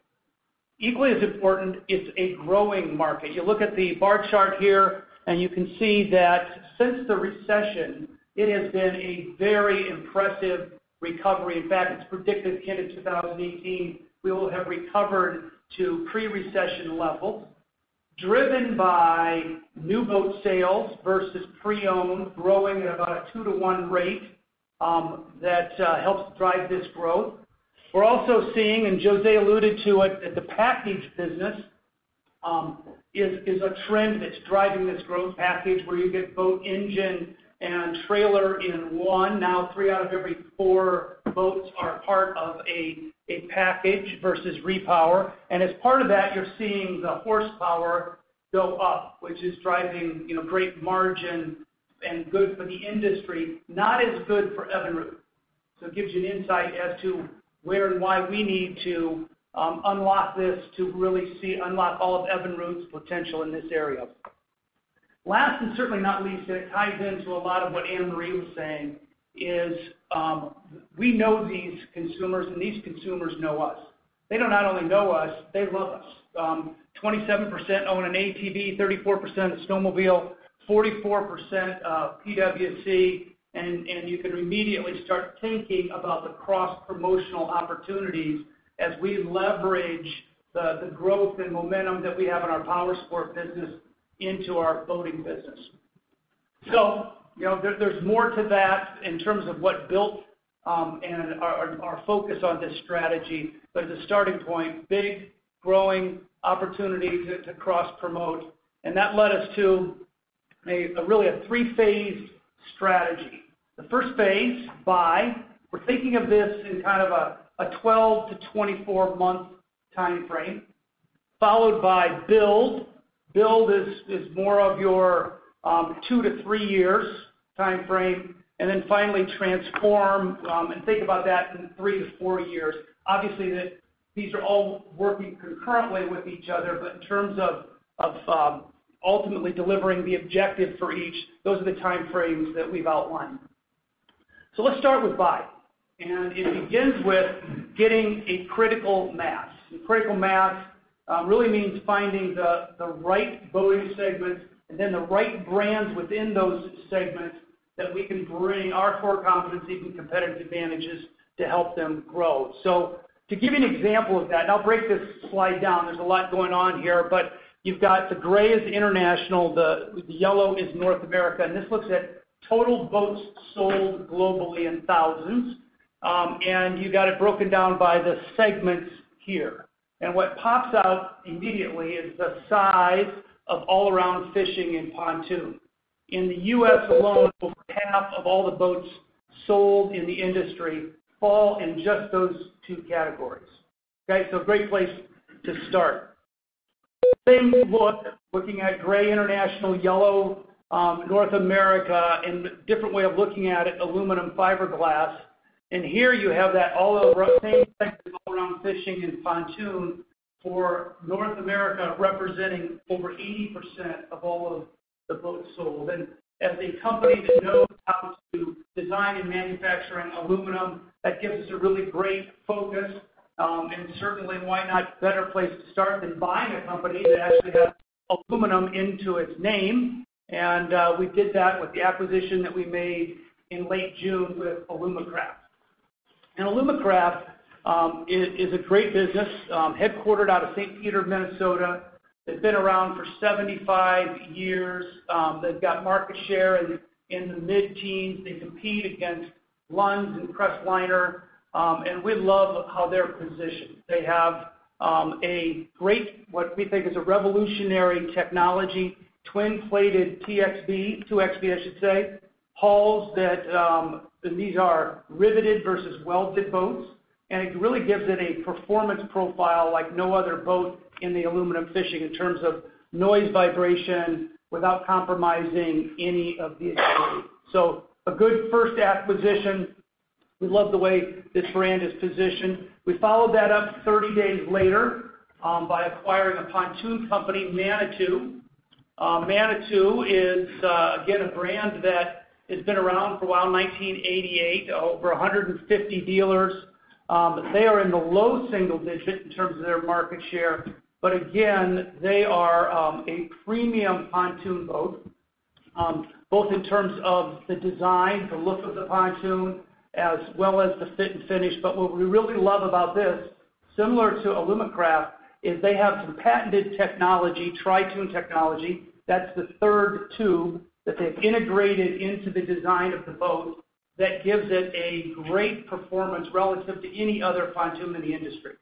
Equally as important, it's a growing market. You look at the bar chart here, you can see that since the recession, it has been a very impressive recovery. In fact, it's predicted end of 2018, we will have recovered to pre-recession levels, driven by new boat sales versus pre-owned, growing at about a 2 to 1 rate that helps drive this growth. We're also seeing, José alluded to it, that the package business is a trend that's driving this growth package where you get boat engine and trailer in one. Now three out of every four boats are part of a package versus repower. As part of that, you're seeing the horsepower go up, which is driving great margin and good for the industry. Not as good for Evinrude. It gives you an insight as to where and why we need to unlock this to really unlock all of Evinrude's potential in this area. Last, certainly not least, it ties into a lot of what Anne-Marie was saying, is we know these consumers, these consumers know us. They do not only know us, they love us. 27% own an ATV, 34% a snowmobile, 44% a PWC. You can immediately start thinking about the cross-promotional opportunities as we leverage the growth and momentum that we have in our powersport business into our boating business. There's more to that in terms of what built our focus on this strategy. As a starting point, big growing opportunity to cross-promote. That led us to really a three-phase strategy. The first phase, buy. We're thinking of this in kind of a 12 to 24-month timeframe. Followed by build. Build is more of your two to three years timeframe. Then finally transform, and think about that in three to four years. Obviously, these are all working concurrently with each other, but in terms of ultimately delivering the objective for each, those are the timeframes that we've outlined. Let's start with buy. It begins with getting a critical mass. Critical mass really means finding the right boating segments and then the right brands within those segments that we can bring our core competencies and competitive advantages to help them grow. To give you an example of that, I'll break this slide down, there's a lot going on here, you've got the gray is international, the yellow is North America, and this looks at total boats sold globally in thousands. You got it broken down by the segments here. What pops out immediately is the size of all-around fishing and pontoon. In the U.S. alone, over half of all the boats sold in the industry fall in just those two categories. Okay. A great place to start. Same look, looking at gray international, yellow North America, a different way of looking at it, aluminum, fiberglass. Here you have that all over same segment around fishing and pontoon for North America, representing over 80% of all of the boats sold. As a company that knows how to design and manufacture in aluminum, that gives us a really great focus. Certainly, why not a better place to start than buying a company that actually has aluminum in its name. We did that with the acquisition that we made in late June with Alumacraft. Alumacraft is a great business, headquartered out of St. Peter, Minnesota. They've been around for 75 years. They've got market share in the mid-teens. They compete against Lund and Crestliner, and we love how they're positioned. They have a great, what we think is a revolutionary technology, twin-plated 2XB, I should say, hulls. These are riveted versus welded boats. It really gives it a performance profile like no other boat in aluminum fishing in terms of noise, vibration, without compromising any of the ability. A good first acquisition. We love the way this brand is positioned. We followed that up 30 days later by acquiring a pontoon company, Manitou. Manitou is, again, a brand that has been around for a while, 1988, over 150 dealers. They are in the low single digits in terms of their market share. Again, they are a premium pontoon boat, both in terms of the design, the look of the pontoon, as well as the fit and finish. What we really love about this, similar to Alumacraft, is they have some patented technology, Tritoon technology. That's the third tube that they've integrated into the design of the boat that gives it a great performance relative to any other pontoon in the industry.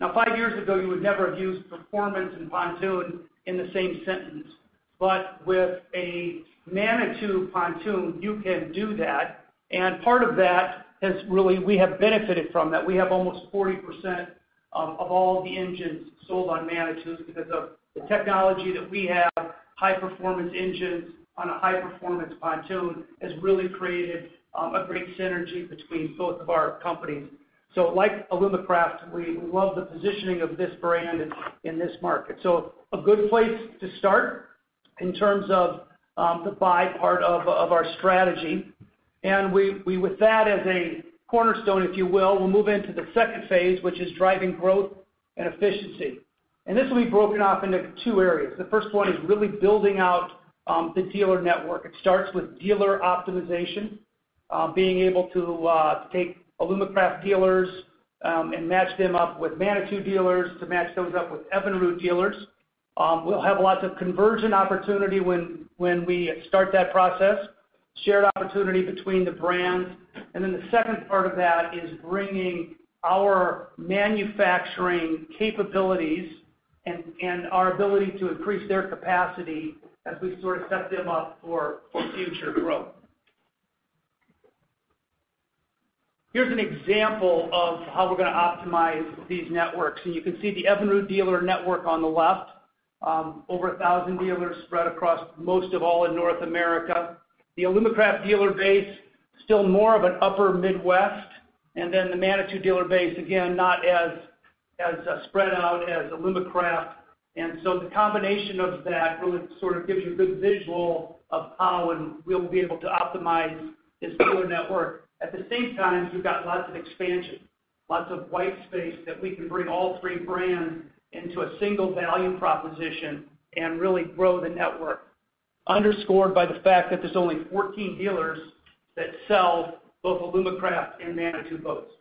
Now, five years ago, you would never have used performance and pontoon in the same sentence. With a Manitou pontoon, you can do that. Part of that has really. We have benefited from that. We have almost 40% of all the engines sold on Manitou because of the technology that we have. High-performance engines on a high-performance pontoon has really created a great synergy between both of our companies. Like Alumacraft, we love the positioning of this brand in this market. A good place to start in terms of the buy part of our strategy. With that as a cornerstone, if you will, we'll move into the second phase, which is driving growth and efficiency. This will be broken up into two areas. The first one is really building out the dealer network. It starts with dealer optimization. Being able to take Alumacraft dealers and match them up with Manitou dealers to match those up with Evinrude dealers. We'll have lots of conversion opportunity when we start that process. Shared opportunity between the brands. The second part of that is bringing our manufacturing capabilities and our ability to increase their capacity as we set them up for future growth. Here's an example of how we're going to optimize these networks. You can see the Evinrude dealer network on the left. Over 1,000 dealers spread across most of all in North America. The Alumacraft dealer base still more of an upper Midwest. The Manitou dealer base, again, not as spread out as Alumacraft. The combination of that really gives you a good visual of how we'll be able to optimize this dealer network. At the same time, we've got lots of expansion, lots of white space that we can bring all three brands into a single value proposition and really grow the network. Underscored by the fact that there's only 14 dealers that sell both Alumacraft and Manitou boats.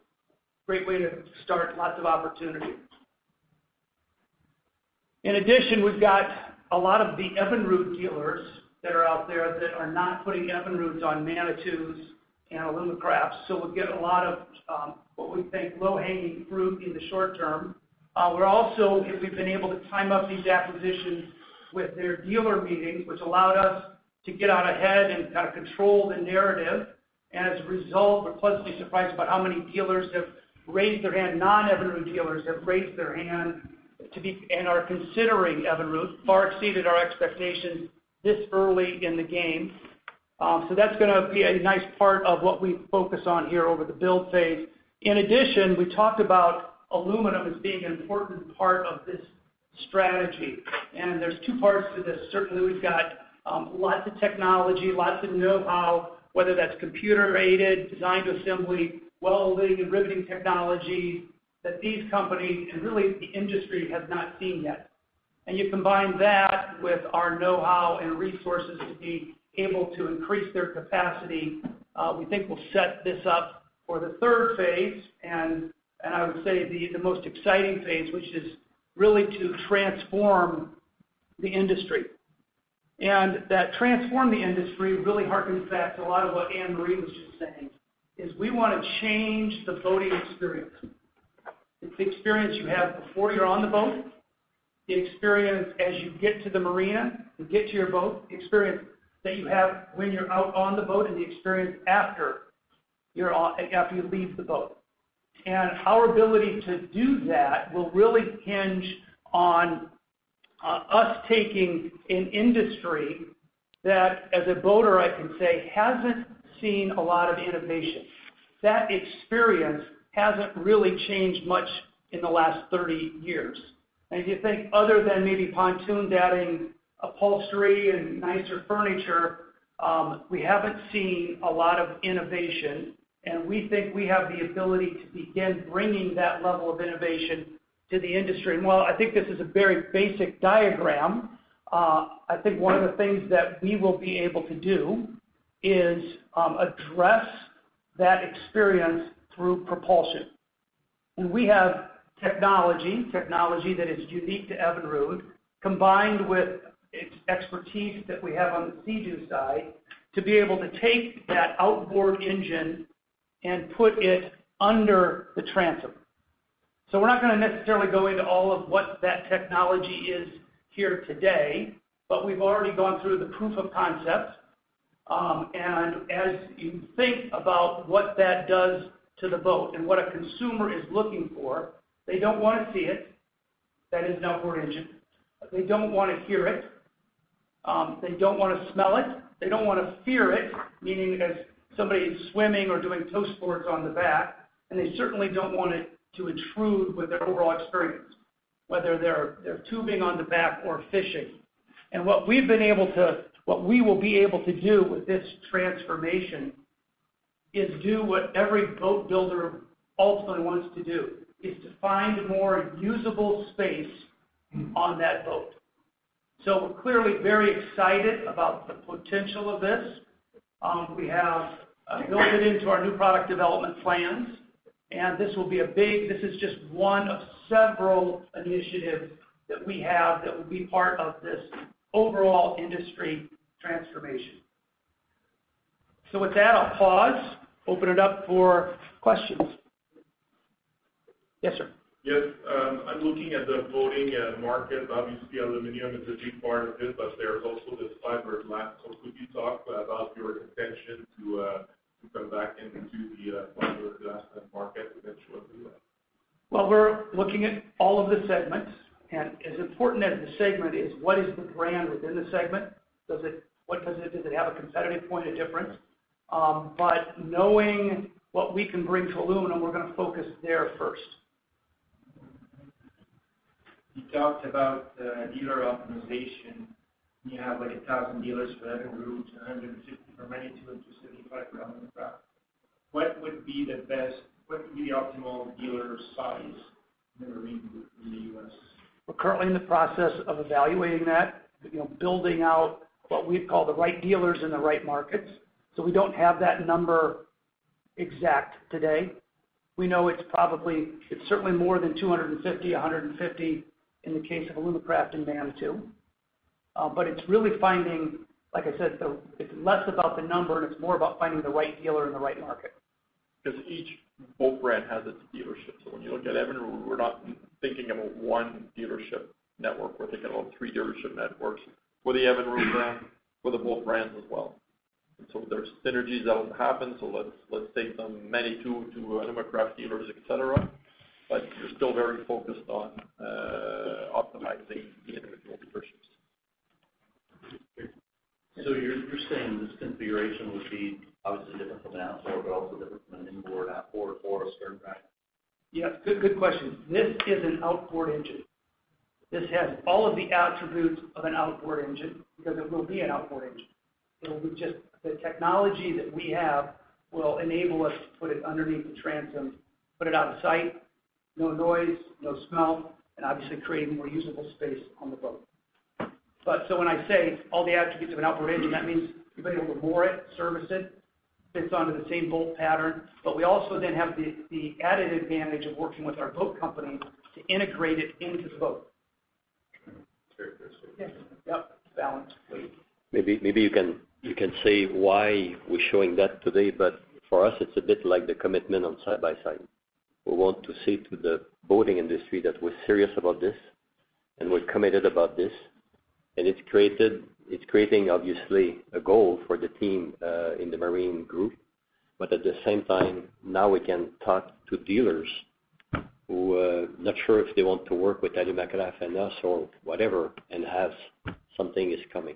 Great way to start. Lots of opportunity. In addition, we've got a lot of the Evinrude dealers that are out there that are not putting Evinrudes on Manitous and Alumacrafts. We'll get a lot of what we think low-hanging fruit in the short term. We've been able to time up these acquisitions with their dealer meetings, which allowed us to get out ahead and kind of control the narrative. As a result, we're pleasantly surprised by how many dealers have raised their hand, non-Evinrude dealers have raised their hand and are considering Evinrude. Far exceeded our expectations this early in the game. That's going to be a nice part of what we focus on here over the build phase. In addition, we talked about aluminum as being an important part of this strategy. There's two parts to this. Certainly, we've got lots of technology, lots of know-how, whether that's computer-aided design to assembly, welding, and riveting technology that these companies, and really the industry, has not seen yet. You combine that with our know-how and resources to be able to increase their capacity. We think we'll set this up for the third phase, and I would say the most exciting phase, which is really to transform the industry. That transform the industry really harkens back to a lot of what Anne-Marie was just saying, is we want to change the boating experience. It's the experience you have before you're on the boat, the experience as you get to the marina to get to your boat, the experience that you have when you're out on the boat, and the experience after you leave the boat. Our ability to do that will really hinge on us taking an industry that, as a boater, I can say hasn't seen a lot of innovation. That experience hasn't really changed much in the last 30 years. If you think, other than maybe pontoons adding upholstery and nicer furniture, we haven't seen a lot of innovation. We think we have the ability to begin bringing that level of innovation to the industry. While I think this is a very basic diagram, I think one of the things that we will be able to do is address that experience through propulsion. We have technology that is unique to Evinrude, combined with its expertise that we have on the Sea-Doo side, to be able to take that outboard engine and put it under the transom. We're not going to necessarily go into all of what that technology is here today, but we've already gone through the proof of concept. As you think about what that does to the boat and what a consumer is looking for, they don't want to see it. That is an outboard engine. They don't want to hear it. They don't want to smell it. They don't want to fear it, meaning as somebody's swimming or doing tow sports on the back, and they certainly don't want it to intrude with their overall experience, whether they're tubing on the back or fishing. What we will be able to do with this transformation is do what every boat builder ultimately wants to do, is to find more usable space on that boat. Clearly very excited about the potential of this. We have built it into our new product development plans, this is just one of several initiatives that we have that will be part of this overall industry transformation. With that, I'll pause, open it up for questions. Yes, sir. Yes. I'm looking at the boating market. Obviously, aluminum is a big part of it, but there's also this fiberglass. Could you talk about your intention to come back into the fiberglass market eventually? We're looking at all of the segments, as important as the segment is what is the brand within the segment? Does it have a competitive point of difference? Knowing what we can bring to aluminum, we're going to focus there first. You talked about dealer optimization. You have 1,000 dealers for Evinrude to 150 for Manitou and 275 for Alumacraft. What would be the optimal dealer size in the Marine Group in the U.S.? We're currently in the process of evaluating that. Building out what we'd call the right dealers in the right markets. We don't have that number exact today. We know it's certainly more than 250, 150 in the case of Alumacraft and Manitou. It's really finding, like I said, it's less about the number and it's more about finding the right dealer in the right market. Each boat brand has its dealership. When you look at Evinrude, we're not thinking about one dealership network. We're thinking about three dealership networks for the Evinrude brand, for the boat brands as well. There's synergies that'll happen. Let's take the Manitou to Alumacraft dealers, et cetera. We're still very focused on optimizing the individual dealerships. You're saying this configuration would be obviously different from an outboard, but also different from an inboard outboard or a stern drive? Yeah. Good question. This is an outboard engine. This has all of the attributes of an outboard engine because it will be an outboard engine. The technology that we have will enable us to put it underneath the transom, put it out of sight, no noise, no smell, and obviously creating more usable space on the boat. When I say all the attributes of an outboard engine, that means you'll be able to moor it, service it, fits onto the same bolt pattern. We also then have the added advantage of working with our boat companies to integrate it into the boat. Very good. Yes. Yep. Balanced. Please. Maybe you can say why we're showing that today, for us, it's a bit like the commitment on side-by-side. We want to say to the boating industry that we're serious about this and we're committed about this, it's creating, obviously, a goal for the team in the Marine Group. At the same time, now we can talk to dealers who are not sure if they want to work with Alumacraft and us or whatever, and have something is coming.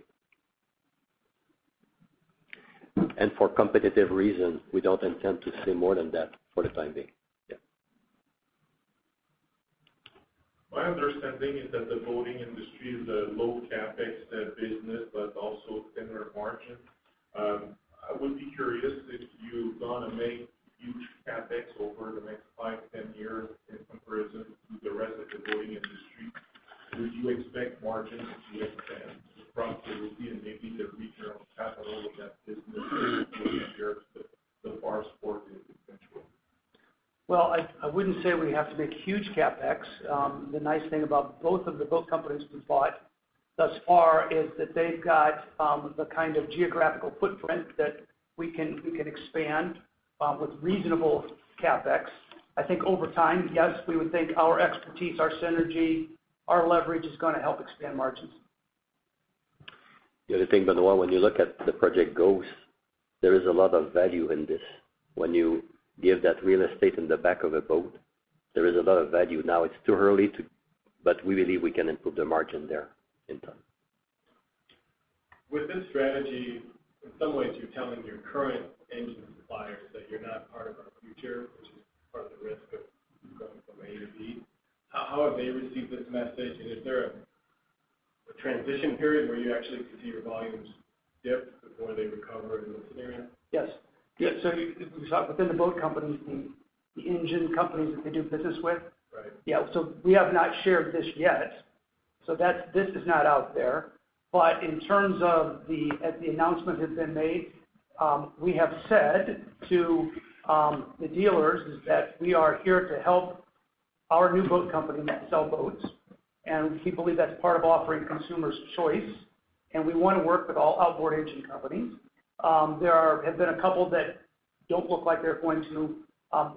For competitive reasons, we don't intend to say more than that for the time being. My understanding is that the boating industry is a low CapEx business, but also thinner margin. I would be curious if you gonna make huge CapEx over the next five, 10 years in comparison to the rest of the boating industry. Would you expect margins to expand progressively and maybe to reach your own capital of that business in the coming years with the powersport eventually? Well, I wouldn't say we have to make huge CapEx. The nice thing about both of the boat companies we bought thus far is that they've got the kind of geographical footprint that we can expand with reasonable CapEx. I think over time, yes, we would think our expertise, our synergy, our leverage is going to help expand margins. The other thing, Benoit, when you look at the project goals, there is a lot of value in this. When you give that real estate in the back of a boat, there is a lot of value. Now, it's too early, but we believe we can improve the margin there in time. With this strategy, in some ways, you're telling your current engine suppliers that you're not part of our future, which is part of the risk of going from A to B. How have they received this message? Is there a transition period where you actually could see your volumes dip before they recover in this area? Yes. Within the boat companies, the engine companies that they do business with? Right. We have not shared this yet. This is not out there. In terms of as the announcement has been made, we have said to the dealers is that we are here to help our new boat company sell boats, and we believe that's part of offering consumers choice, and we want to work with all outboard engine companies. There have been a couple that don't look like they're going to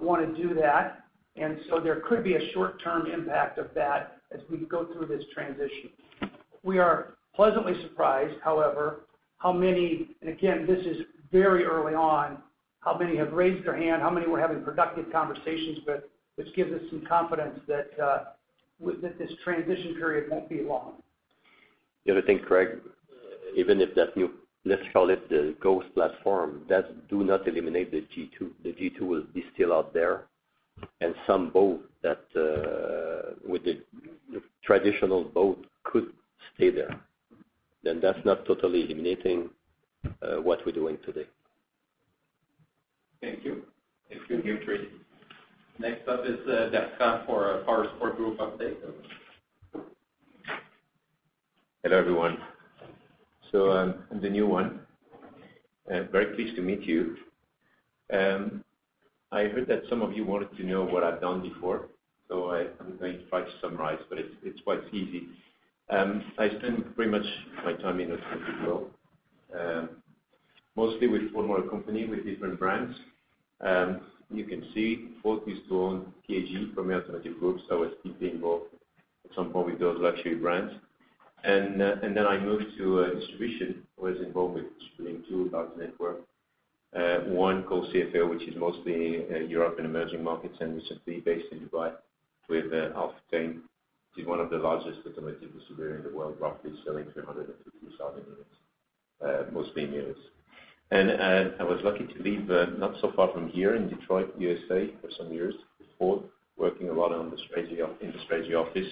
want to do that, and so there could be a short-term impact of that as we go through this transition. We are pleasantly surprised, however, how many, and again, this is very early on, how many have raised their hand, how many we're having productive conversations with. Which gives us some confidence that this transition period won't be long. The other thing, Craig, even if that new, let's call it the ghost platform, that do not eliminate the G2. The G2 will be still out there, and some boat, with the traditional boat could stay there. That's not totally eliminating what we're doing today. Thank you. Thank you, Guillaume. Next up is Bertrand for our sport group update. Hello, everyone. I'm the new one, and very pleased to meet you. I heard that some of you wanted to know what I've done before. I'm going to try to summarize, but it's quite easy. I spend pretty much my time in BMW as well, mostly with one more company with different brands. You can see BMW, PAG, Premier Automotive Group, so I was deeply involved at some point with those luxury brands. Then I moved to distribution, was involved with distributing two large network. One called CFAO, which is mostly Europe and emerging markets, and recently based in Dubai with Al-Futtaim being one of the largest automotive distributor in the world, roughly selling 350,000 units. I was lucky to live not so far from here in Detroit, U.S.A., for some years before, working a lot in the strategy office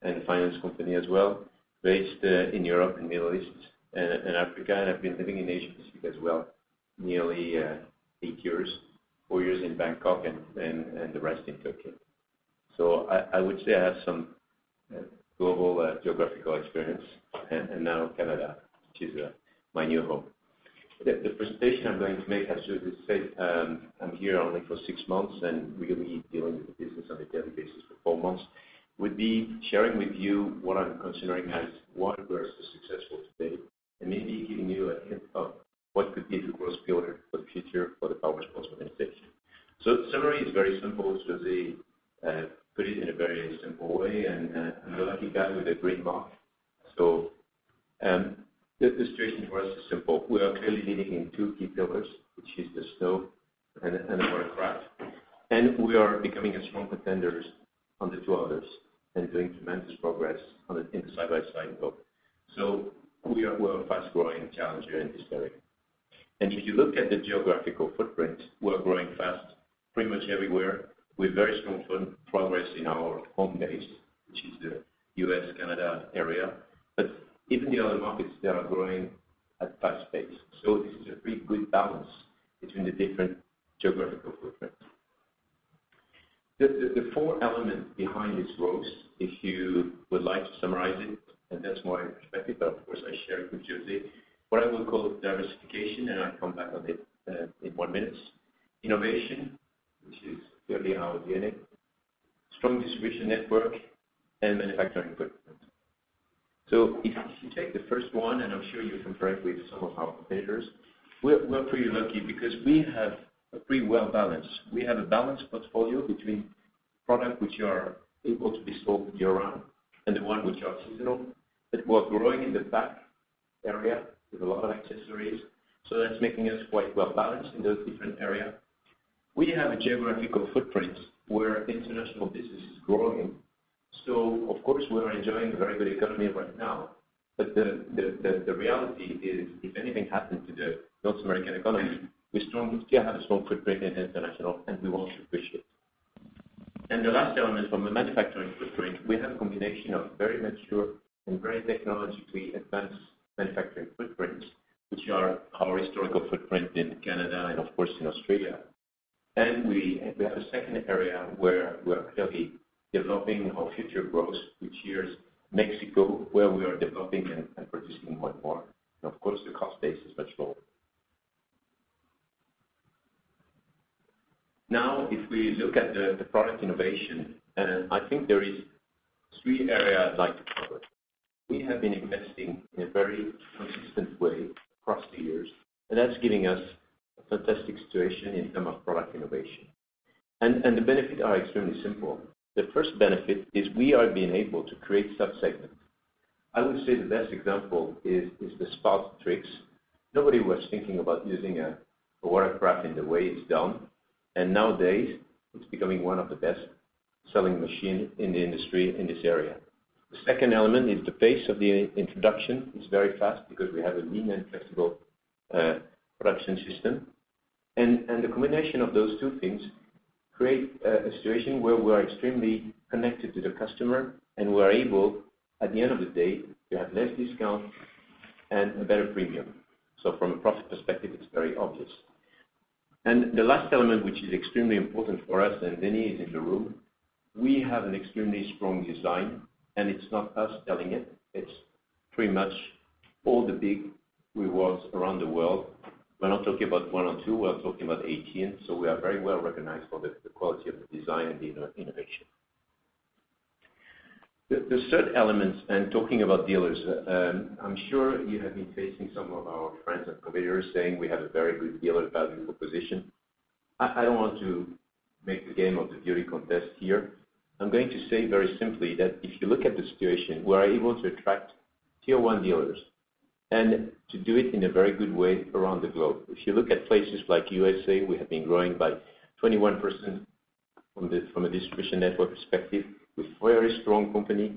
and finance company as well, based in Europe and Middle East and Africa. I've been living in Asia Pacific as well, nearly eight years, four years in Bangkok and the rest in Tokyo. I would say I have some global geographical experience, and now Canada, which is my new home. The presentation I'm going to make, as José said, I'm here only for six months, and we will be dealing with the business on a daily basis for four months, would be sharing with you what I'm considering as why we are so successful today, and maybe giving you a hint of what could be the growth pillar for the future for the Powersports organization. Summary is very simple. José put it in a very simple way, and I'm the lucky guy with the green mark. The situation for us is simple. We are clearly leading in two key pillars, which is the snow and the watercraft. We are becoming a strong contender on the two others and doing tremendous progress in the side-by-side, both. We're a fast-growing challenger in this area. If you look at the geographical footprint, we're growing fast pretty much everywhere with very strong progress in our home base, which is the U.S.-Canada area. But even the other markets, they are growing at fast pace. This is a pretty good balance between the different geographical footprints. The four elements behind this growth, if you would like to summarize it, and that's more effective, of course, I share it with José. What I will call diversification, I'll come back on it in one minute. Innovation, which is clearly our DNA, strong distribution network and manufacturing footprint. If you take the first one, I'm sure you're familiar with some of our competitors, we're pretty lucky because we have a pretty well balanced. We have a balanced portfolio between product which are able to be sold year-round and the one which are seasonal. We're growing in the back area with a lot of accessories, that's making us quite well-balanced in those different areas. We have a geographical footprint where international business is growing. Of course, we are enjoying a very good economy right now. The reality is, if anything happens to the North American economy, we still have a strong footprint in international, and we won't appreciate. The last element from the manufacturing footprint, we have a combination of very mature and very technologically advanced manufacturing footprints, which are our historical footprint in Canada and of course in Austria. We have a second area where we are clearly developing our future growth, which here is Mexico, where we are developing and producing much more. Of course, the cost base is much lower. Now, if we look at the product innovation, I think there is three areas I'd like to cover. We have been investing in a very consistent way across the years, that's giving us a fantastic situation in terms of product innovation. The benefit are extremely simple. The first benefit is we are being able to create sub-segments. I would say the best example is the Spark Trixx. Nobody was thinking about using a watercraft in the way it's done. Nowadays, it's becoming one of the best-selling machine in the industry in this area. The second element is the pace of the introduction is very fast because we have a lean and flexible production system. The combination of those two things create a situation where we are extremely connected to the customer, and we are able, at the end of the day, to have less discount and a better premium. From a profit perspective, it's very obvious. The last element, which is extremely important for us, Danny is in the room, we have an extremely strong design, and it's not us telling it's pretty much all the big rewards around the world. We're not talking about one or two, we are talking about 18. We are very well recognized for the quality of the design and the innovation. The third elements, talking about dealers, I'm sure you have been facing some of our friends and competitors saying we have a very good dealer value proposition. I don't want to make a game of the beauty contest here. I'm going to say very simply that if you look at the situation, we are able to attract tier 1 dealers and to do it in a very good way around the globe. If you look at places like USA, we have been growing by 21% from a distribution network perspective with very strong company.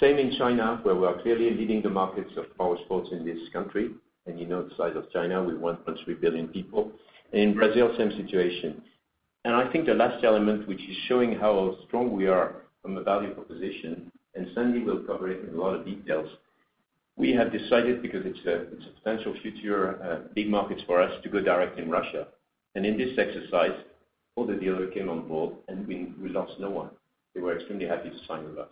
Same in China, where we are clearly leading the markets of powersports in this country. You know the size of China with 1.3 billion people. In Brazil, same situation. I think the last element, which is showing how strong we are from a value proposition, Sandy will cover it in a lot of details. We have decided because it's a substantial future, big markets for us to go direct in Russia. In this exercise, all the dealer came on board and we lost no one. They were extremely happy to sign with us.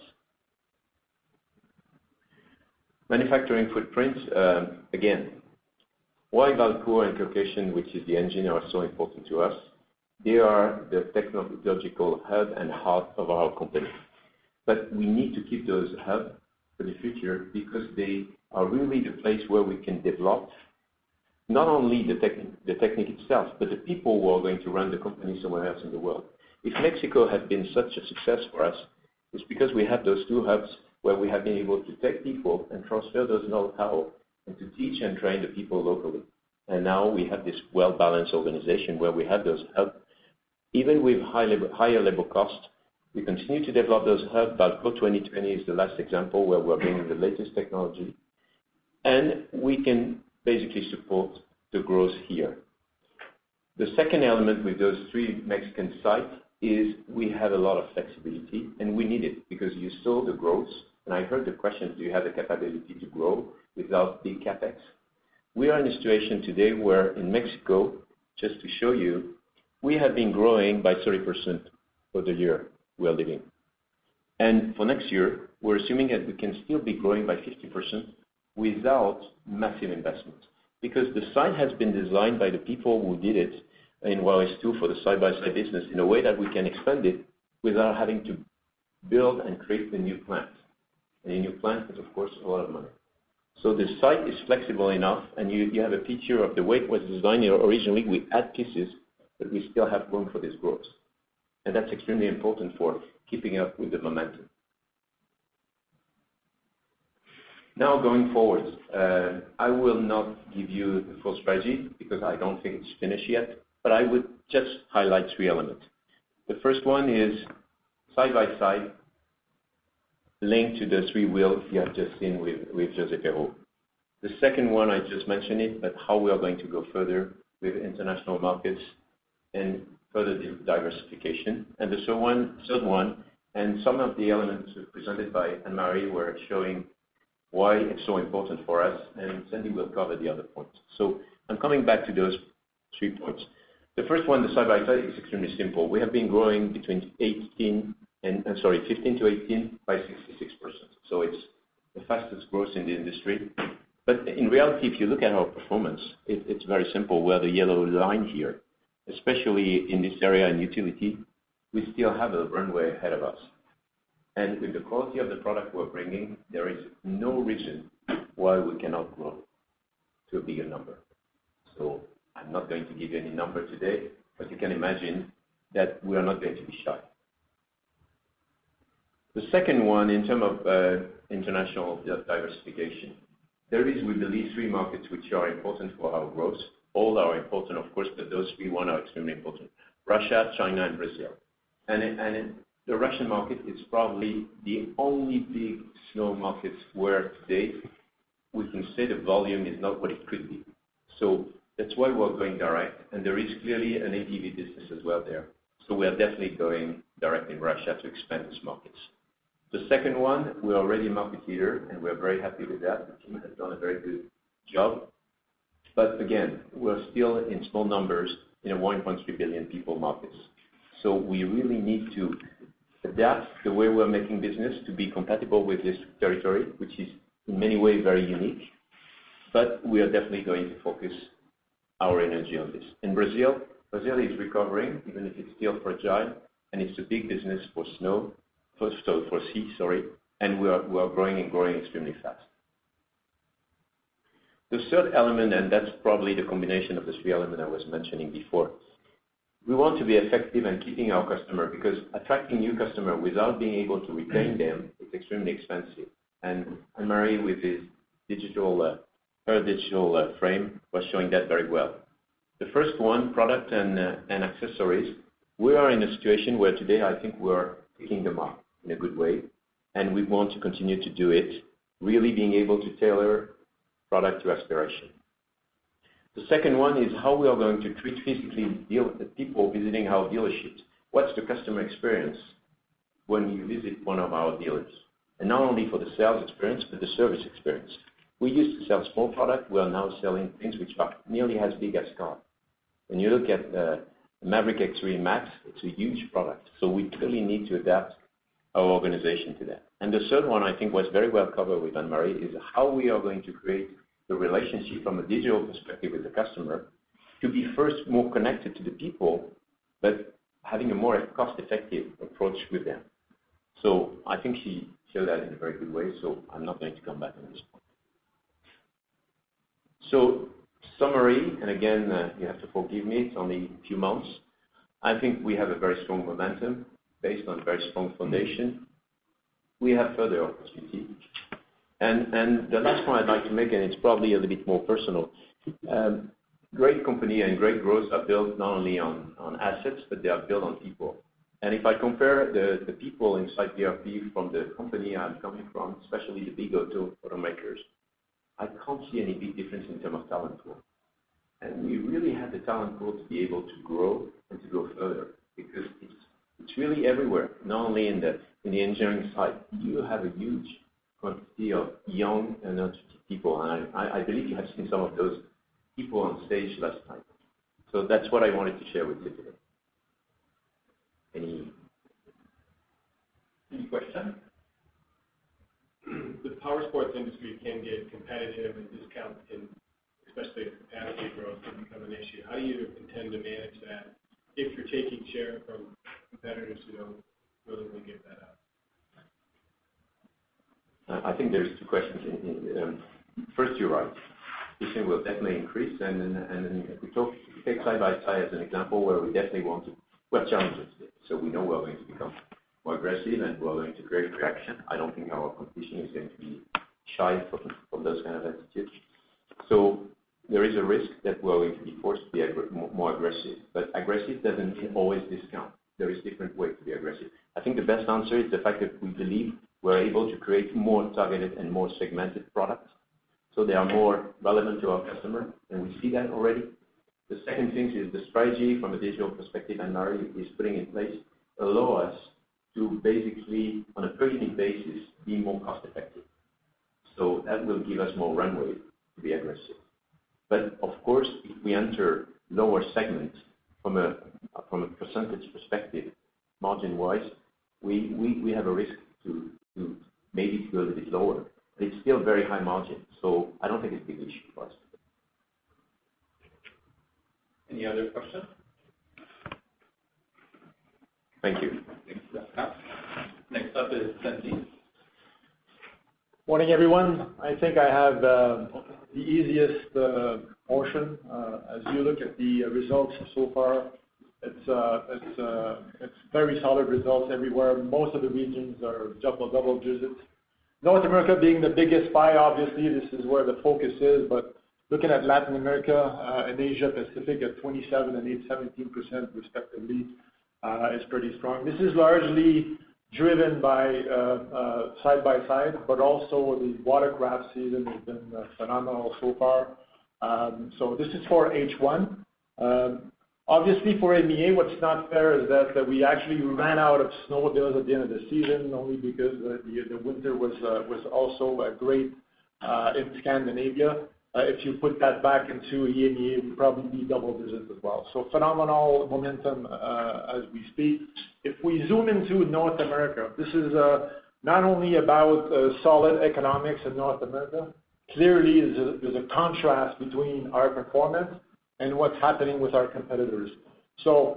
Manufacturing footprint. Again, why Valcourt and Gunskirchen, which is the engine, are so important to us? They are the technological hub and heart of our company. We need to keep those hub for the future because they are really the place where we can develop not only the technique itself, but the people who are going to run the company somewhere else in the world. If Mexico has been such a success for us, it's because we have those two hubs where we have been able to take people and transfer this knowhow and to teach and train the people locally. Now we have this well-balanced organization where we have those hubs. Even with higher labor cost, we continue to develop those hubs. Valcourt 2020 is the last example where we are bringing the latest technology. We can basically support the growth here. The second element with those three Mexican sites is we have a lot of flexibility, and we need it because you saw the growth. I heard the question, do you have the capability to grow without big CapEx? We are in a situation today where in Mexico, just to show you, we have been growing by 30% for the year we are living. For next year, we're assuming that we can still be growing by 50% without massive investment. Because the site has been designed by the people who did it in Juárez 2 for the side-by-side business in a way that we can expand it without having to build and create the new plant. The new plant is, of course, a lot of money. The site is flexible enough, and you have a picture of the way it was designed originally. We add pieces, but we still have room for this growth. That's extremely important for keeping up with the momentum. Now, going forward, I will not give you the full strategy because I don't think it's finished yet, but I would just highlight 3 elements. The first one is side-by-side linked to the 3 wheels you have just seen with Josée Perreault. The second one, I just mentioned it, how we are going to go further with international markets and further diversification. The third one, some of the elements presented by Anne-Marie, were showing why it's so important for us, Sandy will cover the other points. I'm coming back to those 3 points. The first one, the side-by-side, is extremely simple. We have been growing between 2015 to 2018 by 66%. It's the fastest growth in the industry. In reality, if you look at our performance, it's very simple. We have the yellow line here, especially in this area in utility, we still have a runway ahead of us. With the quality of the product we're bringing, there is no reason why we cannot grow to a bigger number. I'm not going to give you any number today, but you can imagine that we are not going to be shy. The second one, in term of international diversification. There is, we believe, three markets which are important for our growth. All are important, of course, but those three one are extremely important. Russia, China, and Brazil. The Russian market is probably the only big snow market where today we can say the volume is not what it could be. That's why we're going direct. There is clearly an ATV business as well there. We are definitely going direct in Russia to expand these markets. The second one, we are already a market leader, and we are very happy with that. The team has done a very good job. Again, we're still in small numbers in a 1.3 billion people markets. We really need to adapt the way we're making business to be compatible with this territory, which is in many ways very unique. We are definitely going to focus our energy on this. In Brazil is recovering, even if it's still fragile, and it's a big business for Sea-Doo, sorry, and we are growing and growing extremely fast. The third element, that's probably the combination of the three elements I was mentioning before. We want to be effective in keeping our customer, because attracting new customer without being able to retain them is extremely expensive. Anne-Marie with her digital frame was showing that very well. The first one, product and accessories, we are in a situation where today I think we are ticking them off in a good way, and we want to continue to do it, really being able to tailor product to aspiration. The second one is how we are going to treat physically the people visiting our dealerships. What's the customer experience when you visit one of our dealers? Not only for the sales experience, but the service experience. We used to sell small product. We are now selling things which are nearly as big as a car. When you look at the Maverick X3 MAX, it's a huge product. We clearly need to adapt our organization to that. The third one, I think, was very well covered with Anne-Marie, is how we are going to create the relationship from a digital perspective with the customer to be first more connected to the people, having a more cost-effective approach with them. I think she said that in a very good way, I'm not going to come back on this point. Summary, again, you have to forgive me, it's only a few months. I think we have a very strong momentum based on a very strong foundation. We have further opportunity. The last point I'd like to make, it's probably a little bit more personal. Great company and great growth are built not only on assets, but they are built on people. If I compare the people inside BRP from the company I'm coming from, especially the big automakers, I can't see any big difference in term of talent pool. We really have the talent pool to be able to grow and to go further because it's really everywhere, not only in the engineering side. You have a huge quantity of young and energetic people, and I believe you have seen some of those people on stage last night. That's what I wanted to share with you today. Any question? The powersports industry can get competitive and discounts can, especially as capacity growth can become an issue. How do you intend to manage that if you're taking share from competitors who don't really want to give that up? I think there's two questions in. First, you're right. This thing will definitely increase. If we take side-by-side as an example where we definitely We have challenges there, we know we are going to become more aggressive and we are going to create reaction. I don't think our competition is going to be shy of those kind of attitudes. There is a risk that we are going to be forced to be more aggressive. Aggressive doesn't mean always discount. There is different way to be aggressive. I think the best answer is the fact that we believe we are able to create more targeted and more segmented products, they are more relevant to our customer, and we see that already. The second thing is the strategy from a digital perspective Anne-Marie is putting in place allow us to basically, on a pretty basis, be more cost effective. That will give us more runway to be aggressive. Of course, if we enter lower segments from a percentage perspective, margin wise, we have a risk to maybe go a little bit lower. It's still very high margin, I don't think it's a big issue for us. Any other question? Thank you. Thanks, Bertrand. Next up is Sandy. Morning, everyone. I think I have the easiest portion. As you look at the results so far, it's very solid results everywhere. Most of the regions are double digits. North America being the biggest pie, obviously, this is where the focus is. Looking at Latin America and Asia Pacific at 27% and 18% respectively, is pretty strong. This is largely driven by side-by-side, also the watercraft season has been phenomenal so far. This is for H1. Obviously for EMEA, what's not there is that we actually ran out of snowmobiles at the end of the season only because the winter was also great in Scandinavia. If you put that back into EMEA, it would probably be double digits as well. Phenomenal momentum as we speak. If we zoom into North America, this is not only about solid economics in North America. Clearly, there's a contrast between our performance and what's happening with our competitors. When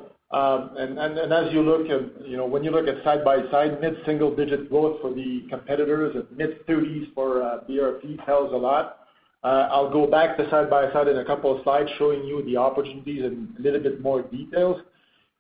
you look at side-by-side, mid-single-digit growth for the competitors and mid-30s for BRP tells a lot. I'll go back to side-by-side in a couple of slides, showing you the opportunities in a little bit more details.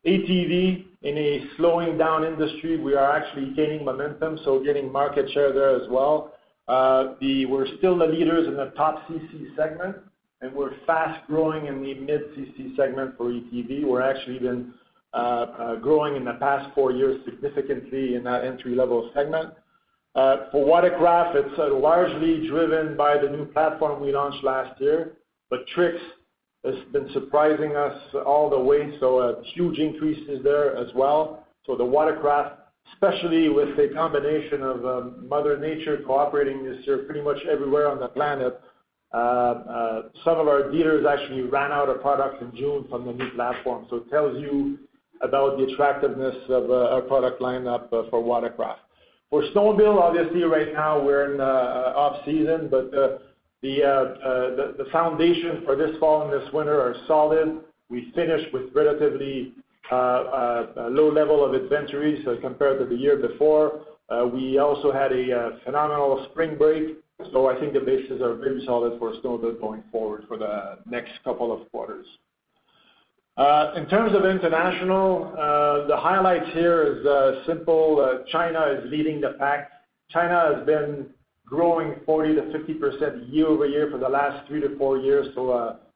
ATV, in a slowing down industry, we are actually gaining momentum, so getting market share there as well. We're still the leaders in the top CC segment, and we're fast growing in the mid CC segment for ATV. We're actually been growing in the past 4 years significantly in that entry level segment. For watercraft, it's largely driven by the new platform we launched last year. Trixx has been surprising us all the way, so a huge increases there as well. The watercraft, especially with the combination of Mother Nature cooperating this year pretty much everywhere on the planet. Some of our dealers actually ran out of product in June from the new platform. It tells you about the attractiveness of our product line-up for watercraft. For snowmobile, obviously right now we're in off-season, the foundation for this fall and this winter are solid. We finished with relatively low level of inventories as compared to the year before. We also had a phenomenal spring break, I think the bases are very solid for snowmobile going forward for the next couple of quarters. In terms of international, the highlights here is simple. China is leading the pack. China has been growing 40%-50% year-over-year for the last three to four years.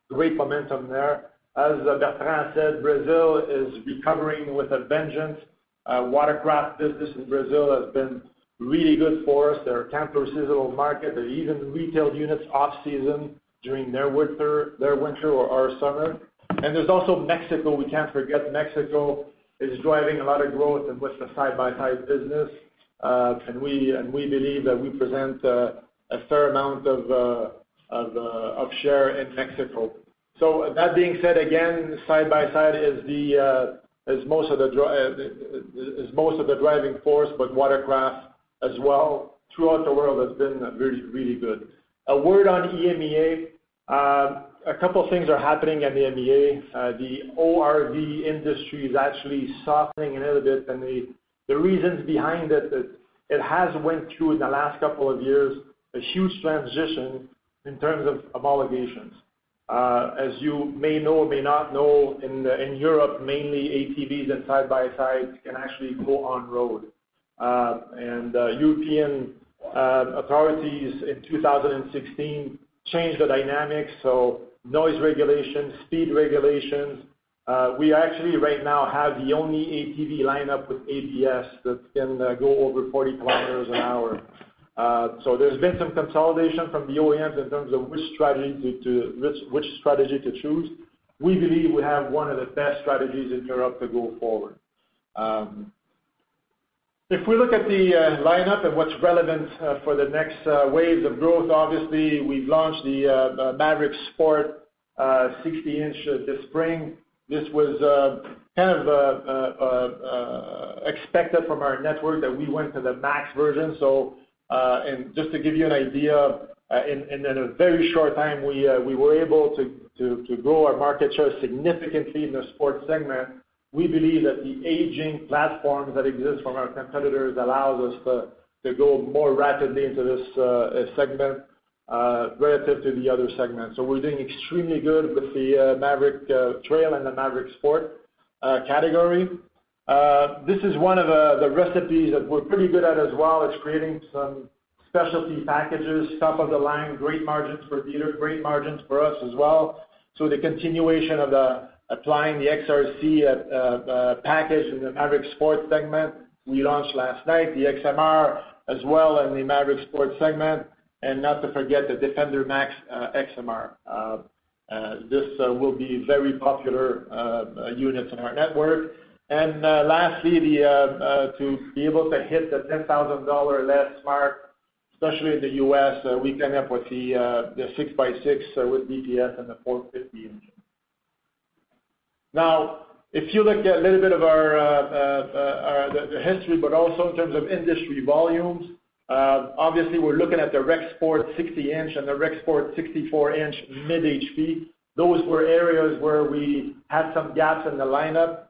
Great momentum there. As Bertrand said, Brazil is recovering with a vengeance. Watercraft business in Brazil has been really good for us. They're a temperamental market. They're even retail units off-season during their winter or our summer. There's also Mexico. We can't forget Mexico is driving a lot of growth with the side-by-side business. We believe that we present a fair amount of share in Mexico. With that being said, again, side-by-side is most of the driving force, Watercraft as well throughout the world has been really good. A word on EMEA. A couple of things are happening in the EMEA. The ORV industry is actually softening a little bit, and the reasons behind it has went through in the last couple of years, a huge transition in terms of obligations. As you may know or may not know, in Europe, mainly ATVs and side-by-sides can actually go on-road. European authorities in 2016 changed the dynamics, so noise regulations, speed regulations. We actually right now have the only ATV lineup with ABS that can go over 40 kilometers an hour. There's been some consolidation from the OEMs in terms of which strategy to choose. We believe we have one of the best strategies in Europe to go forward. If we look at the lineup and what's relevant for the next waves of growth, obviously, we've launched the Maverick Sport 60-inch this spring. This was kind of expected from our network that we went to the max version. Just to give you an idea, in a very short time, we were able to grow our market share significantly in the sports segment. We believe that the aging platforms that exist from our competitors allows us to go more rapidly into this segment relative to the other segments. We're doing extremely good with the Maverick Trail and the Maverick Sport category. This is one of the recipes that we're pretty good at as well as creating some specialty packages, top of the line, great margins for dealers, great margins for us as well. The continuation of applying the XRC package in the Maverick Sport segment we launched last night, the XMR as well in the Maverick Sport segment, and not to forget the Defender MAX XMR. This will be very popular units in our network. Lastly, to be able to hit the $10,000 less mark, especially in the U.S., we came up with the 6x6 with DPS and the 450 engine. If you look at a little bit of the history, also in terms of industry volumes, obviously we're looking at the Rec Sport 60-inch and the Rec Sport 64-inch mid-HP. Those were areas where we had some gaps in the lineup.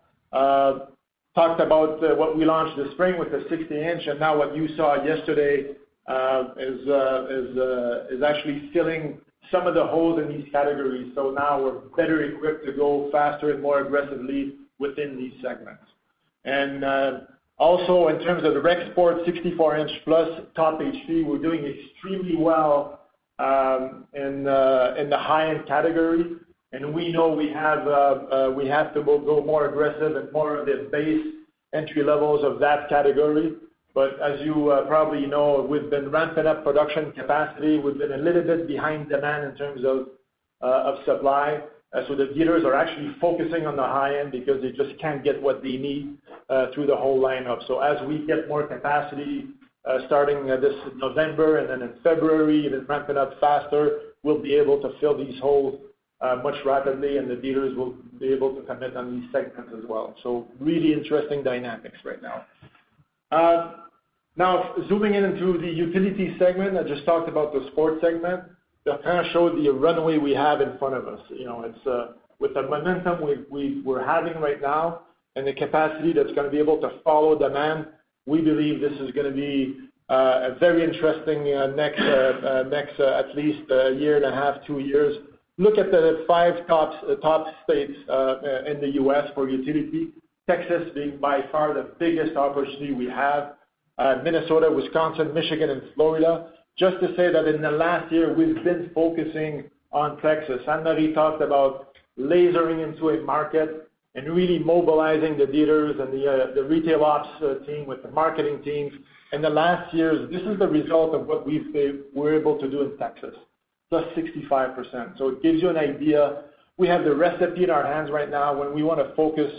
Talked about what we launched this spring with the 60-inch, now what you saw yesterday is actually filling some of the holes in these categories. We're better equipped to go faster and more aggressively within these segments. Also in terms of the Rec Sport 64-inch plus top-HP, we're doing extremely well in the high-end category. We know we have to go more aggressive and more of the base entry levels of that category. As you probably know, we've been ramping up production capacity. We've been a little bit behind demand in terms of supply. The dealers are actually focusing on the high end because they just can't get what they need through the whole lineup. As we get more capacity starting this November and then in February, then ramp it up faster, we'll be able to fill these holes much rapidly and the dealers will be able to commit on these segments as well. Really interesting dynamics right now. Zooming in through the utility segment, I just talked about the sports segment. Bertrand showed the runway we have in front of us. With the momentum we're having right now and the capacity that's going to be able to follow demand, we believe this is going to be a very interesting next, at least a year and a half, two years. Look at the five top states in the U.S. for utility, Texas being by far the biggest opportunity we have. Minnesota, Wisconsin, Michigan, and Florida. Just to say that in the last year, we've been focusing on Texas. Anne-Marie talked about lasering into a market and really mobilizing the dealers and the retail ops team with the marketing teams. In the last years, this is the result of what we say we're able to do in Texas, +65%. It gives you an idea. We have the recipe in our hands right now. When we want to focus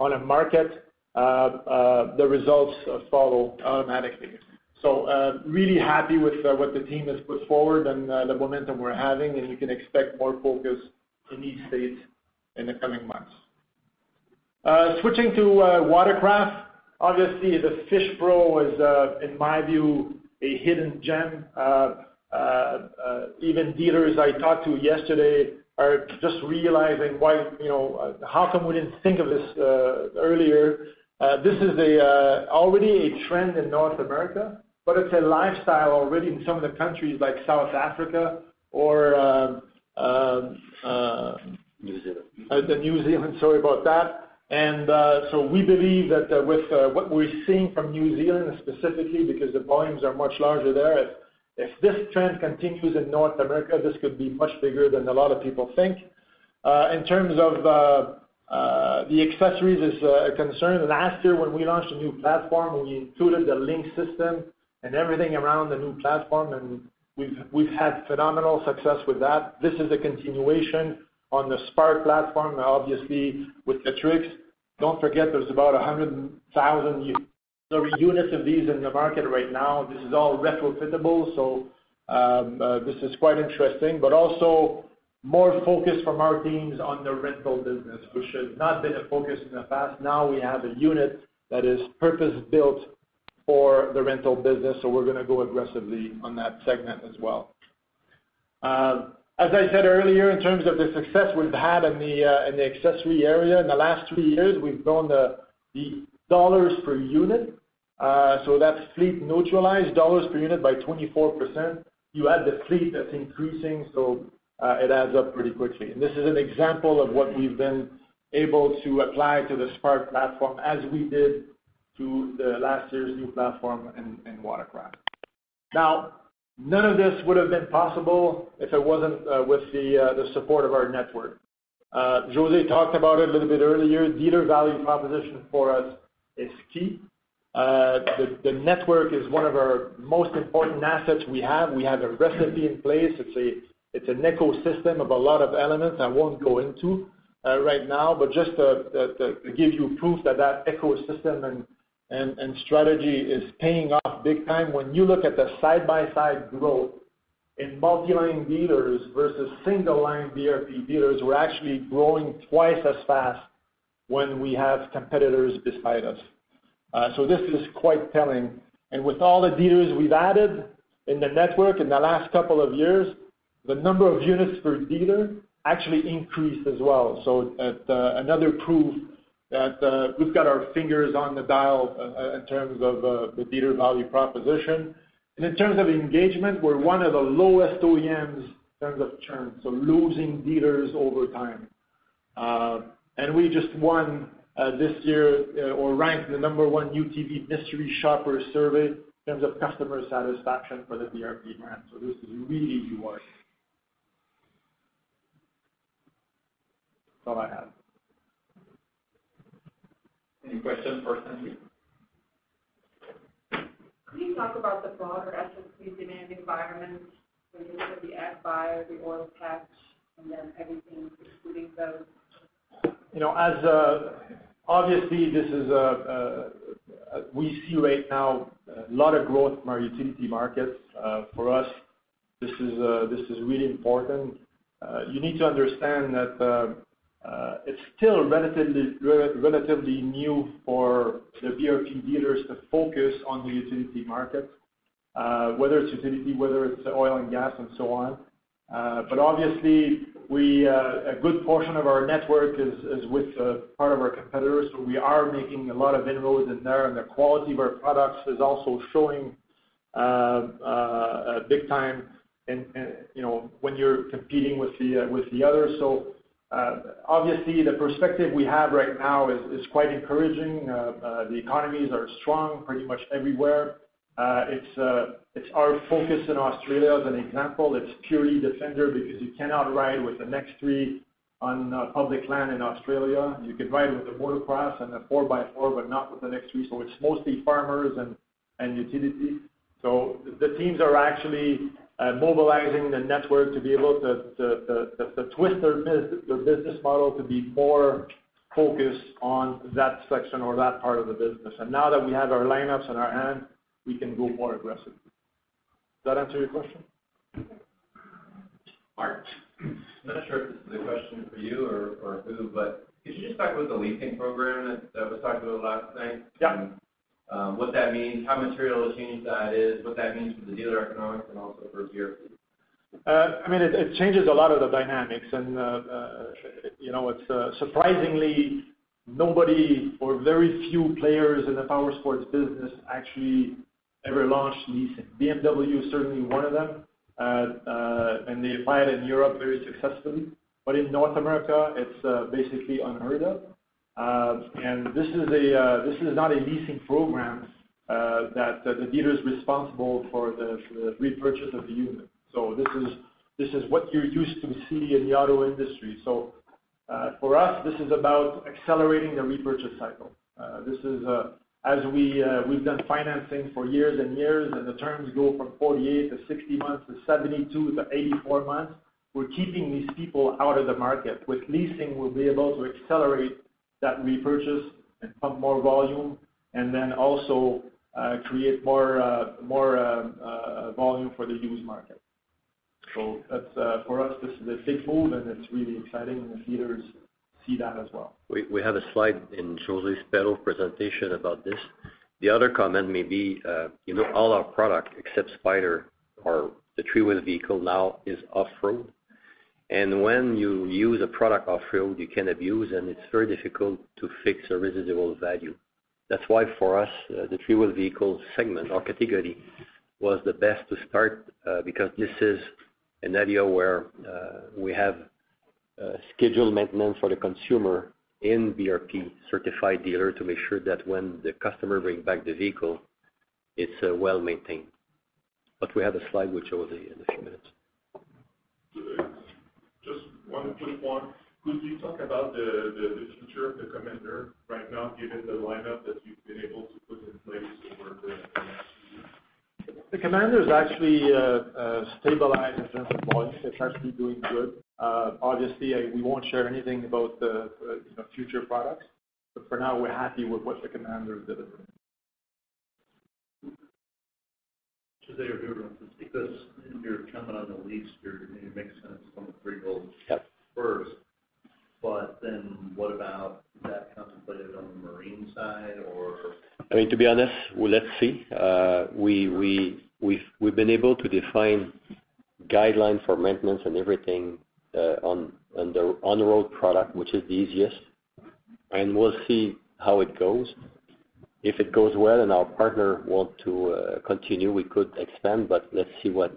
on a market, the results follow automatically. Really happy with what the team has put forward and the momentum we're having, and you can expect more focus in these states in the coming months. Switching to Watercraft. Obviously, the FishPro is, in my view, a hidden gem. Even dealers I talked to yesterday are just realizing, how come we didn't think of this earlier? This is already a trend in North America, but it's a lifestyle already in some of the countries like South Africa or New Zealand. The New Zealand, sorry about that. We believe that with what we're seeing from New Zealand specifically, because the volumes are much larger there, if this trend continues in North America, this could be much bigger than a lot of people think. In terms of the accessories is a concern. Last year when we launched a new platform, we included the LinQ system and everything around the new platform, and we've had phenomenal success with that. This is a continuation on the Spark platform, obviously with the Trixx. Don't forget, there's about 100,000 units of these in the market right now. This is all retrofittable, so this is quite interesting, but also more focus from our teams on the rental business, which has not been a focus in the past. We have a unit that is purpose-built for the rental business, so we're going to go aggressively on that segment as well. As I said earlier, in terms of the success we've had in the accessory area in the last three years, we've grown the dollars per unit. That's fleet neutralized dollars per unit by 24%. You add the fleet that's increasing, so it adds up pretty quickly. This is an example of what we've been able to apply to the Spark platform as we did to the last year's new platform in Watercraft. None of this would have been possible if it wasn't with the support of our network. José talked about it a little bit earlier. Dealer value proposition for us is key. The network is one of our most important assets we have. We have a recipe in place. It's an ecosystem of a lot of elements I won't go into right now. Just to give you proof that that ecosystem and strategy is paying off big time. When you look at the side-by-side growth in multi-line dealers versus single line BRP dealers, we're actually growing twice as fast when we have competitors beside us. This is quite telling. With all the dealers we've added in the network in the last couple of years, the number of units per dealer actually increased as well. Another proof that we've got our fingers on the dial in terms of the dealer value proposition. In terms of engagement, we're one of the lowest OEMs in terms of churn, so losing dealers over time. We just won this year or ranked the number one UTV Mystery Shopper Survey in terms of customer satisfaction for the BRP brand. This is really rewarding. That's all I have. Any questions for Sandy? Can you talk about the broader SSV demand environment when you look at the ag buy, the oil patch, and then everything excluding those? Obviously, we see right now a lot of growth in our utility markets. For us, this is really important. You need to understand that it's still relatively new for the BRP dealers to focus on the utility market, whether it's utility, whether it's oil and gas and so on. A good portion of our network is with part of our competitors, so we are making a lot of inroads in there, and the quality of our products is also showing big time when you're competing with the others. Obviously, the perspective we have right now is quite encouraging. The economies are strong pretty much everywhere. It's our focus in Australia as an example. It's purely Defender because you cannot ride with the X3 on public land in Australia. You can ride with the Watercraft and the four by four, but not with the X3. It's mostly farmers and utility. The teams are actually mobilizing the network to be able to twist their business model to be more focused on that section or that part of the business. Now that we have our lineups in our hand, we can go more aggressively. Does that answer your question? Yes. Mark. I'm not sure if this is a question for you or who, but could you just talk about the leasing program that was talked about last night? Yeah. What that means, how material a change that is, what that means for the dealer economics and also for BRP? It changes a lot of the dynamics and it's surprisingly nobody or very few players in the powersports business actually ever launched leasing. BMW is certainly one of them, and they apply it in Europe very successfully. In North America, it's basically unheard of. This is not a leasing program that the dealer is responsible for the repurchase of the unit. This is what you used to see in the auto industry. For us, this is about accelerating the repurchase cycle. As we've done financing for years and years, and the terms go from 48-60 months to 72-84 months, we're keeping these people out of the market. With leasing, we'll be able to accelerate that repurchase and pump more volume, and then also create more volume for the used market. For us, this is a big move and it's really exciting, and the dealers see that as well. We have a slide in Josée Perreault presentation about this. The other comment may be all our product, except Spyder or the three-wheel vehicle now is off-road. When you use a product off-road, you can abuse and it's very difficult to fix a residual value. That's why for us, the three-wheeled vehicle segment or category was the best to start, because this is an area where we have scheduled maintenance for the consumer in BRP-certified dealer to make sure that when the customer brings back the vehicle, it's well-maintained. We have a slide we'll show you in a few minutes. Just one quick one. Could you talk about the future of the Commander right now, given the lineup that you've been able to put in place over the last few years? The Commander is actually stabilized in terms of volume. It's actually doing good. Obviously, we won't share anything about the future products. For now, we're happy with what the Commander is delivering. Joseph Dubuc, you're coming on the lease here, it makes sense on the three wheels first. Yep. What about that contemplated on the marine side or? To be honest, well, let's see. We've been able to define guidelines for maintenance and everything on the on-road product, which is the easiest. We'll see how it goes. If it goes well and our partner wants to continue, we could expand, but let's see what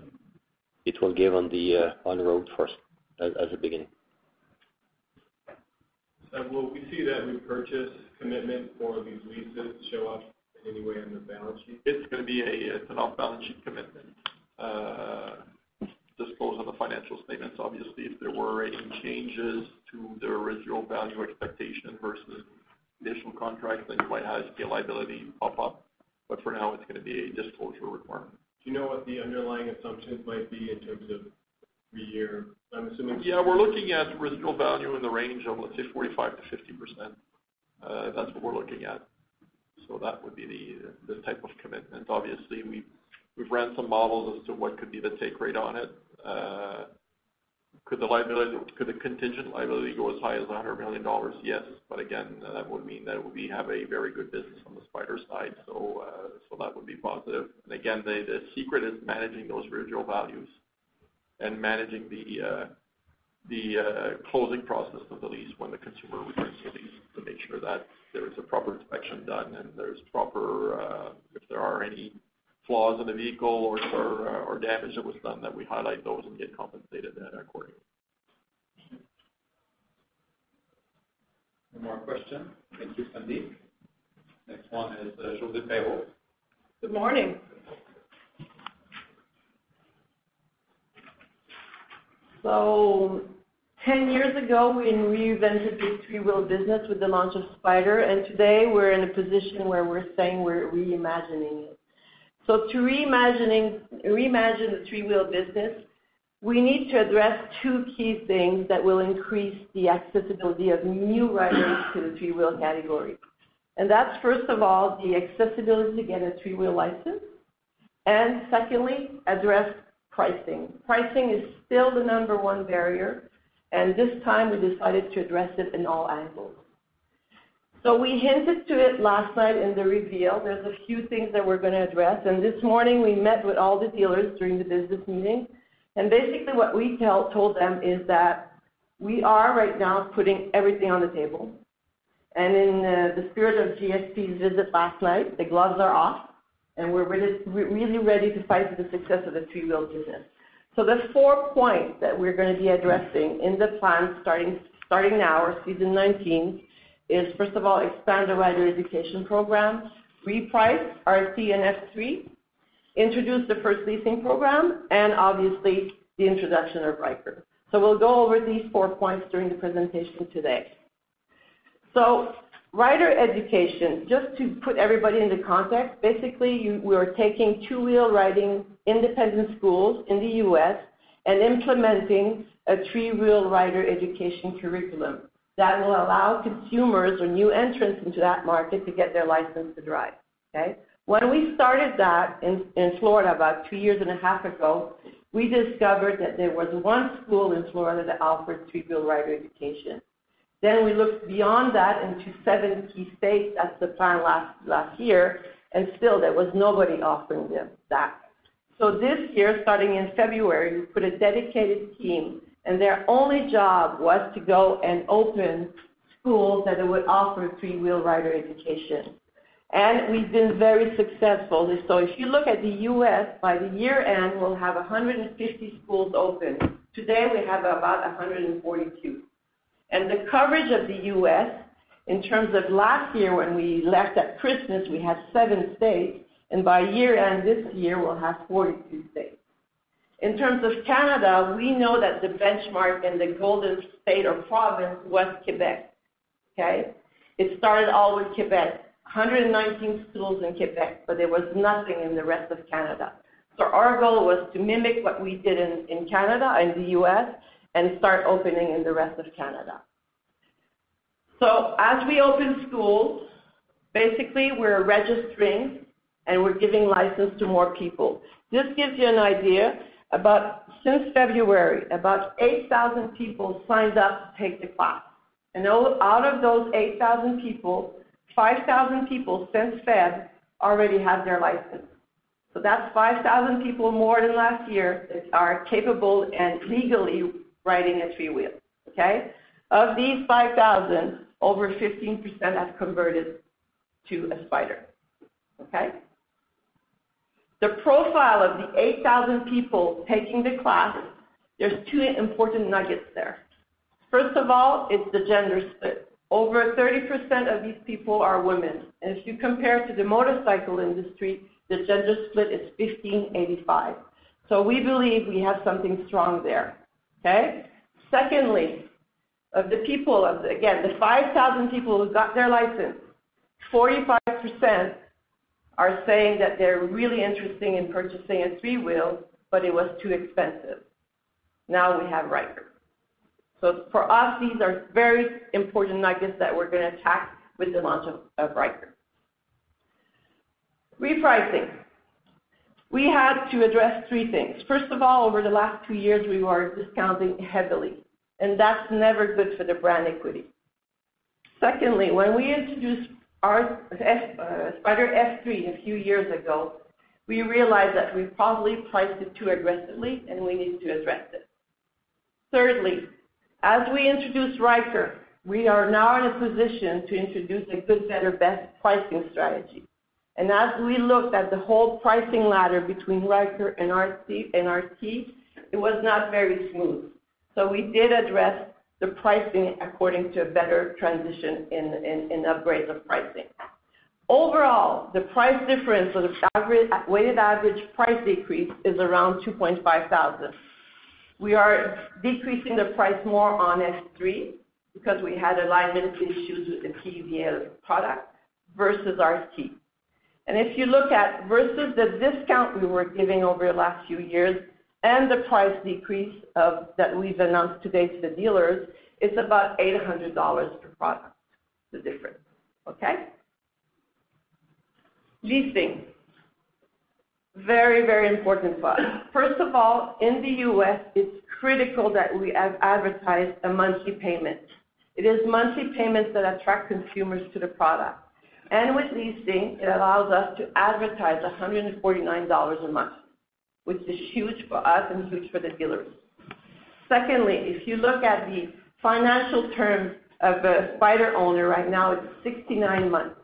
it will give on the road first, as a beginning. Will we see that repurchase commitment for these leases show up in any way on the balance sheet? It's going to be an off-balance-sheet commitment. Disclosure on the financial statements, obviously, if there were any changes to the residual value expectation versus the initial contract, then you might have a liability pop up. For now, it's going to be a disclosure requirement. Do you know what the underlying assumptions might be in terms of the year? We're looking at residual value in the range of, let's say, 45%-50%. That's what we're looking at. That would be the type of commitment. Obviously, we've ran some models as to what could be the take rate on it. Could the contingent liability go as high as 100 million dollars? Yes. Again, that would mean that we have a very good business on the Spyder side. That would be positive. Again, the secret is managing those residual values and managing the closing process of the lease when the consumer returns the lease to make sure that there is a proper inspection done and if there are any flaws in the vehicle or damage that was done, that we highlight those and get compensated then accordingly. One more question. Thank you, Sandy. Next one is Josée Perreault. Good morning. 10 years ago, we reinvented this three-wheeled business with the launch of Spyder, and today we're in a position where we're saying we're reimagining it. To reimagine the three-wheeled business, we need to address two key things that will increase the accessibility of new riders to the three-wheeled category. That's, first of all, the accessibility to get a three-wheel license, and secondly, address pricing. Pricing is still the number one barrier, and this time we decided to address it in all angles. We hinted to it last night in the reveal. There's a few things that we're going to address, and this morning we met with all the dealers during the business meeting. Basically what we told them is that we are right now putting everything on the table. In the spirit of GSP's visit last night, the gloves are off, and we're really ready to fight for the success of the three-wheeled business. The four points that we're going to be addressing in the plan starting now or season 19 is, first of all, expand the rider education program, reprice RT and F3, introduce the first leasing program, and obviously the introduction of Ryker. We'll go over these four points during the presentation today. Rider education, just to put everybody into context, basically, we are taking two-wheel riding independent schools in the U.S. and implementing a three-wheel rider education curriculum that will allow consumers or new entrants into that market to get their license to drive. Okay. When we started that in Florida about two years and a half ago, we discovered that there was one school in Florida that offered three-wheel rider education. We looked beyond that into seven key states as the plan last year, still there was nobody offering that. This year, starting in February, we put a dedicated team, and their only job was to go and open schools that would offer three-wheel rider education. We've been very successful. If you look at the U.S., by the year-end, we'll have 150 schools open. Today, we have about 142. The coverage of the U.S., in terms of last year when we left at Christmas, we had seven states, and by year-end this year, we'll have 42 states. In terms of Canada, we know that the benchmark and the golden state or province was Québec. Okay. It started all with Québec, 119 schools in Québec, but there was nothing in the rest of Canada. Our goal was to mimic what we did in Canada, in the U.S., and start opening in the rest of Canada. As we open schools, basically we're registering and we're giving license to more people. This gives you an idea, since February, about 8,000 people signed up to take the class. Out of those 8,000 people, 5,000 people since February already have their license. That's 5,000 people more than last year that are capable and legally riding a three-wheel. Okay. Of these 5,000, over 15% have converted to a Spyder. Okay. The profile of the 8,000 people taking the class, there's two important nuggets there. First of all, it's the gender split. Over 30% of these people are women, and if you compare to the motorcycle industry, the gender split is 15/85. We believe we have something strong there. Okay. Secondly, of the people, again, the 5,000 people who got their license, 45% are saying that they're really interested in purchasing a 3-wheel, but it was too expensive. Now we have Ryker. For us, these are very important nuggets that we're going to attack with the launch of Ryker. Repricing. We had to address three things. First of all, over the last two years, we were discounting heavily, and that's never good for the brand equity. Secondly, when we introduced our Spyder F3 a few years ago, we realized that we probably priced it too aggressively, and we needed to address it. Thirdly, as we introduce Ryker, we are now in a position to introduce a good, better, best pricing strategy. As we looked at the whole pricing ladder between Ryker and our seat, it was not very smooth. We did address the pricing according to a better transition in upgrades of pricing. Overall, the price difference or the weighted average price decrease is around 2,500. We are decreasing the price more on F3 because we had alignment issues with the TVL product versus our seat. If you look at versus the discount we were giving over the last few years and the price decrease that we've announced today to the dealers, it's about 800 dollars per product, the difference. Okay. Leasing. Very, very important for us. First of all, in the U.S., it's critical that we advertise the monthly payment. It is monthly payments that attract consumers to the product. With leasing, it allows us to advertise 149 dollars a month, which is huge for us and huge for the dealers. Secondly, if you look at the financial terms of a Spyder owner, right now, it's 69 months.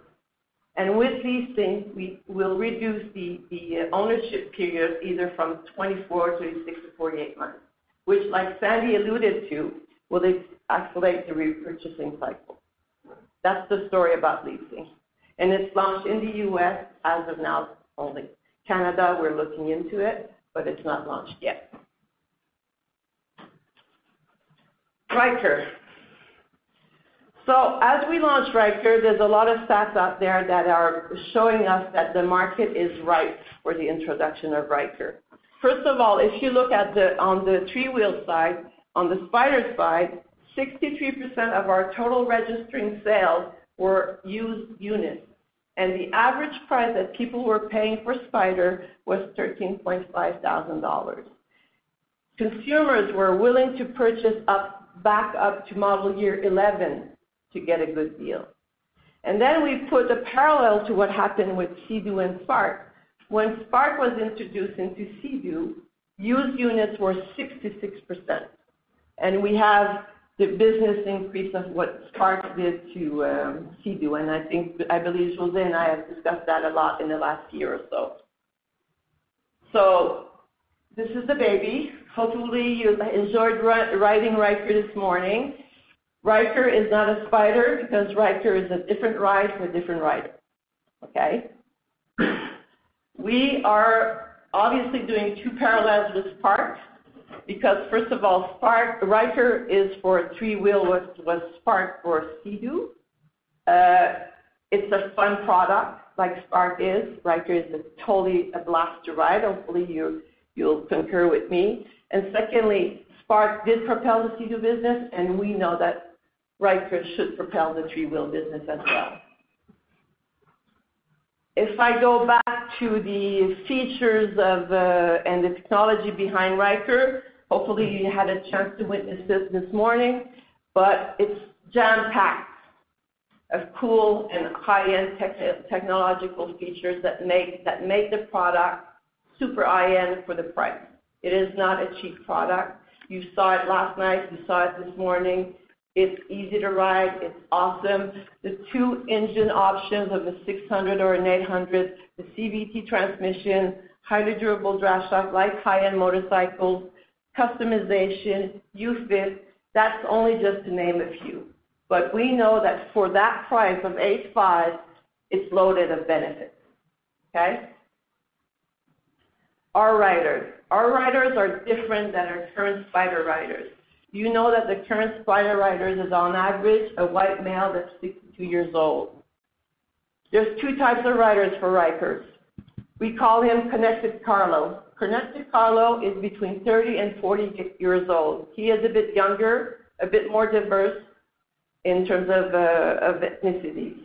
With these things, we will reduce the ownership period either from 24 to 36 to 48 months, which, like Sandy alluded to, will accelerate the repurchasing cycle. That's the story about leasing. It's launched in the U.S. as of now only. Canada, we're looking into it, but it's not launched yet. Ryker. As we launch Ryker, there's a lot of stats out there that are showing us that the market is ripe for the introduction of Ryker. First of all, if you look on the 3-wheel side, on the Spyder side, 63% of our total registering sales were used units, and the average price that people were paying for Spyder was 13,500 dollars. Consumers were willing to purchase back up to model year '11 to get a good deal. Then we put the parallel to what happened with Sea-Doo and Spark. When Spark was introduced into Sea-Doo, used units were 66%, and we have the business increase of what Spark did to Sea-Doo, and I believe José and I have discussed that a lot in the last year or so. This is the baby. Hopefully, you enjoyed riding Ryker this morning. Ryker is not a Spyder because Ryker is a different ride for a different rider. Okay. We are obviously doing two parallels with Spark because, first of all, Ryker is for 3-wheel what Spark for Sea-Doo. It's a fun product like Spark is. Ryker is totally a blast to ride. Hopefully, you'll concur with me. Secondly, Spark did propel the Sea-Doo business, and we know that Ryker should propel the 3-wheel business as well. If I go back to the features and the technology behind Ryker, hopefully, you had a chance to witness this this morning, it's jam-packed of cool and high-end technological features that make the product super high-end for the price. It is not a cheap product. You saw it last night. You saw it this morning. It's easy to ride. It's awesome. There's two engine options of a 600 or an 800, the CVT transmission, highly durable drive shaft like high-end motorcycles, customization, UFit. That's only just to name a few. We know that for that price of 8,500, it's loaded of benefits. Okay. Our riders. Our riders are different than our current Spyder riders. You know that the current Spyder riders is, on average, a white male that's 62 years old. There's two types of riders for Rykers. We call him Connected Carlo. Connected Carlo is between 30 and 40 years old. He is a bit younger, a bit more diverse in terms of ethnicities.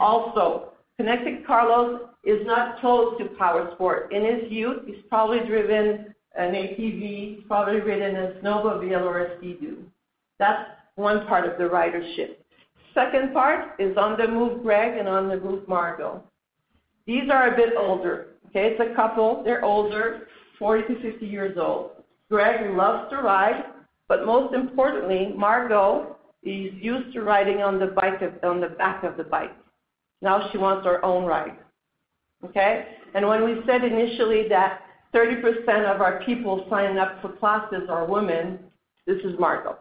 Also, Connected Carlo is not new to powersport. In his youth, he's probably driven an ATV, he's probably ridden a snowmobile or a Sea-Doo. That's one part of the ridership. Second part is On the Move Greg and On the Move Margo. These are a bit older. Okay. It's a couple, they're older, 40 to 50 years old. Greg loves to ride, but most importantly, Margo is used to riding on the back of the bike. Now she wants her own ride. Okay. When we said initially that 30% of our people signing up for classes are women, this is Margo.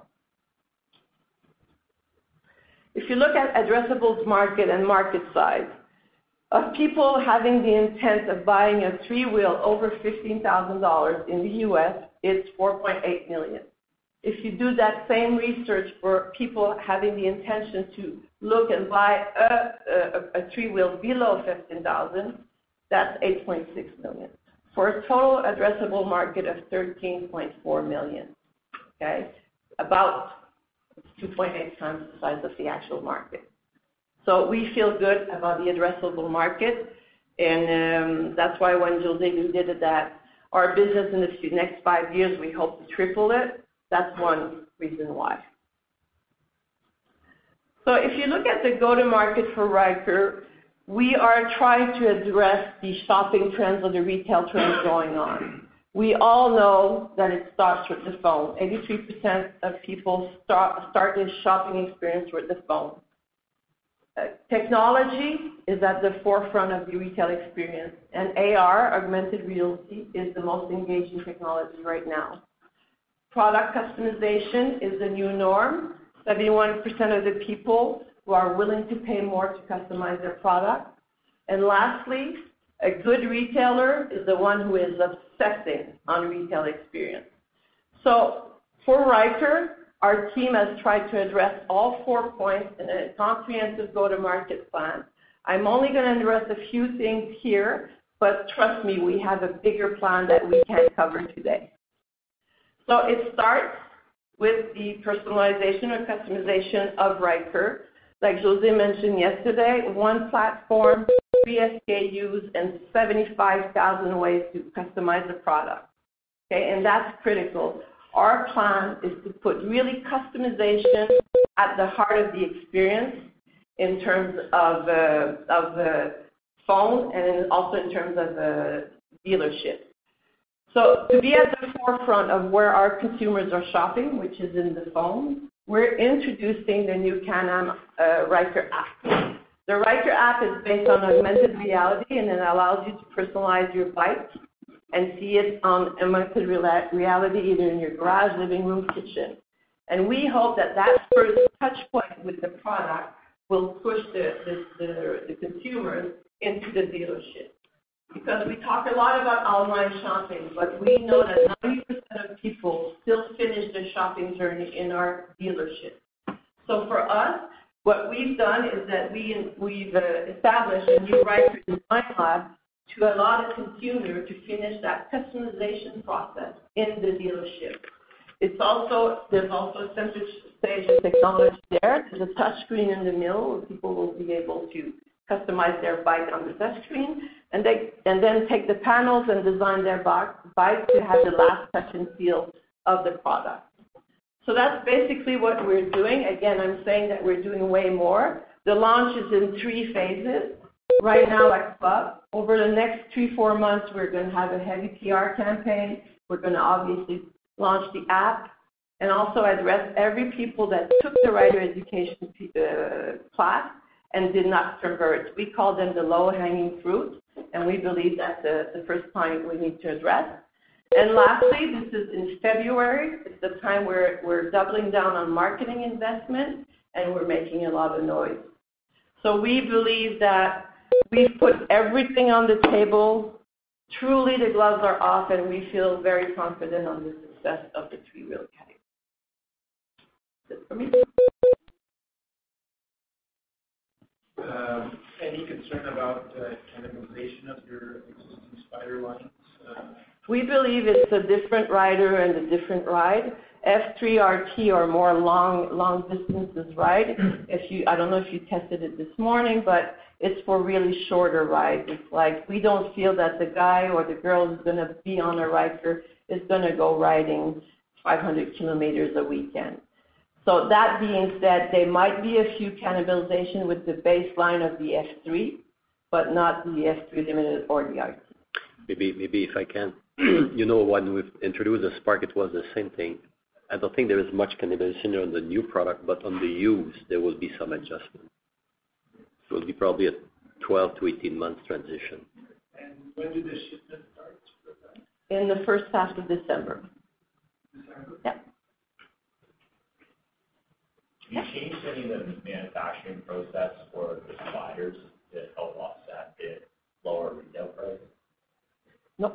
If you look at addressable market and market size, of people having the intent of buying a three-wheel over 15,000 dollars in the U.S., it's 4.8 million. If you do that same research for people having the intention to look and buy a three-wheel below 15,000, that's 8.6 million. For a total addressable market of 13.4 million. Okay. About 2.8 times the size of the actual market. We feel good about the addressable market, and that's why when José did that, our business in the next 5 years, we hope to triple it. That's one reason why. If you look at the go-to-market for Ryker, we are trying to address the shopping trends or the retail trends going on. We all know that it starts with the phone. 83% of people start their shopping experience with the phone. Technology is at the forefront of the retail experience, and AR, augmented reality, is the most engaging technology right now. Product customization is the new norm. 71% of the people who are willing to pay more to customize their product. Lastly, a good retailer is the one who is obsessing on retail experience. For Ryker, our team has tried to address all four points in a comprehensive go-to-market plan. I'm only going to address a few things here, but trust me, we have a bigger plan that we can't cover today. It starts with the personalization or customization of Ryker. Like José mentioned yesterday, one platform, three SKUs, and 75,000 ways to customize a product. Okay. That's critical. Our plan is to put really customization at the heart of the experience in terms of the phone and also in terms of the dealership. To be at the forefront of where our consumers are shopping, which is in the phone, we're introducing the new Can-Am Ryker app. The Ryker app is based on augmented reality, it allows you to personalize your bike and see it on augmented reality, either in your garage, living room, kitchen. We hope that that first touchpoint with the product will push the consumers into the dealership. We talk a lot about online shopping, but we know that 90% of people still finish their shopping journey in our dealership. For us, what we've done is that we've established a new Ryker Design Lab to allow the consumer to finish that customization process in the dealership. There's also a sensor stage of technology there. There's a touch screen in the middle, where people will be able to customize their bike on the touch screen, then take the panels and design their bike to have the last touch and feel of the product. That's basically what we're doing. Again, I'm saying that we're doing way more. The launch is in three phases. Right now, Expo. Over the next three, four months, we're going to have a heavy PR campaign. We're going to obviously launch the app, also address every people that took the rider education class and did not convert. We call them the low-hanging fruit, and we believe that's the first point we need to address. Lastly, this is in February. It's the time where we're doubling down on marketing investment, and we're making a lot of noise. We believe that we've put everything on the table. Truly, the gloves are off, and we feel very confident on the success of the 3-wheel category. That's it for me. Any concern about the cannibalization of your existing Spyder lines? We believe it's a different rider and a different ride. F3, RT are more long distances ride. I don't know if you tested it this morning, but it's for really shorter rides. It's like we don't feel that the guy or the girl who's going to be on a Ryker is going to go riding 500 kilometers a weekend. That being said, there might be a few cannibalization with the baseline of the F3, but not the F3 Limited or the RT. Maybe if I can. When we've introduced the Spark, it was the same thing. I don't think there is much cannibalization on the new product, but on the used, there will be some adjustment. It'll be probably a 12 to 18 months transition. When do the shipments start for that? In the first half of December. December? Yep. Have you changed any of the manufacturing process for the Spyders to help offset a lower retail price? No.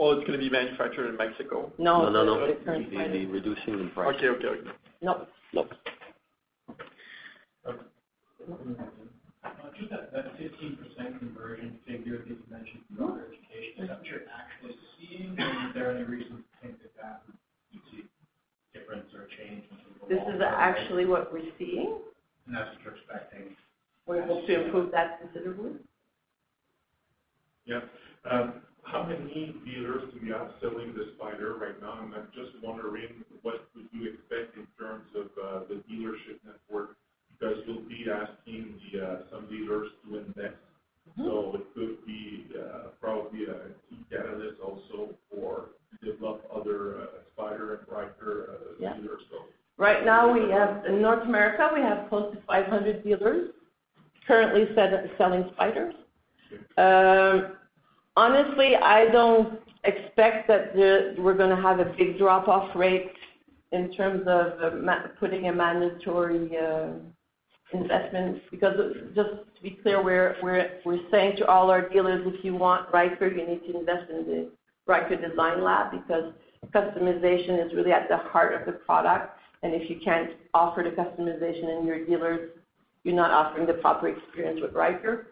Well, it's going to be manufactured in Mexico. No. No, no. It's going to be the same Spyder. We'll be reducing the price. Okay. No. Okay. One more thing. Just that 15% conversion figure that you mentioned for rider education. Is that what you're actually seeing, or is there any reason to think that that would see difference or change moving forward? This is actually what we're seeing. That's what you're expecting? We hope to improve that considerably. Yeah. How many dealers do we have selling the Spyder right now? I'm just wondering what would you expect in terms of the dealership network, you'll be asking some dealers to invest. It could be probably a key catalyst also for develop other Spyder and Ryker dealers. Right now, in North America, we have close to 500 dealers currently set up selling Spyders. Okay. Honestly, I don't expect that we're going to have a big drop-off rate in terms of putting a mandatory investment. Just to be clear, we're saying to all our dealers, "If you want Ryker, you need to invest in the Ryker Design Lab," customization is really at the heart of the product, if you can't offer the customization in your dealers, you're not offering the proper experience with Ryker.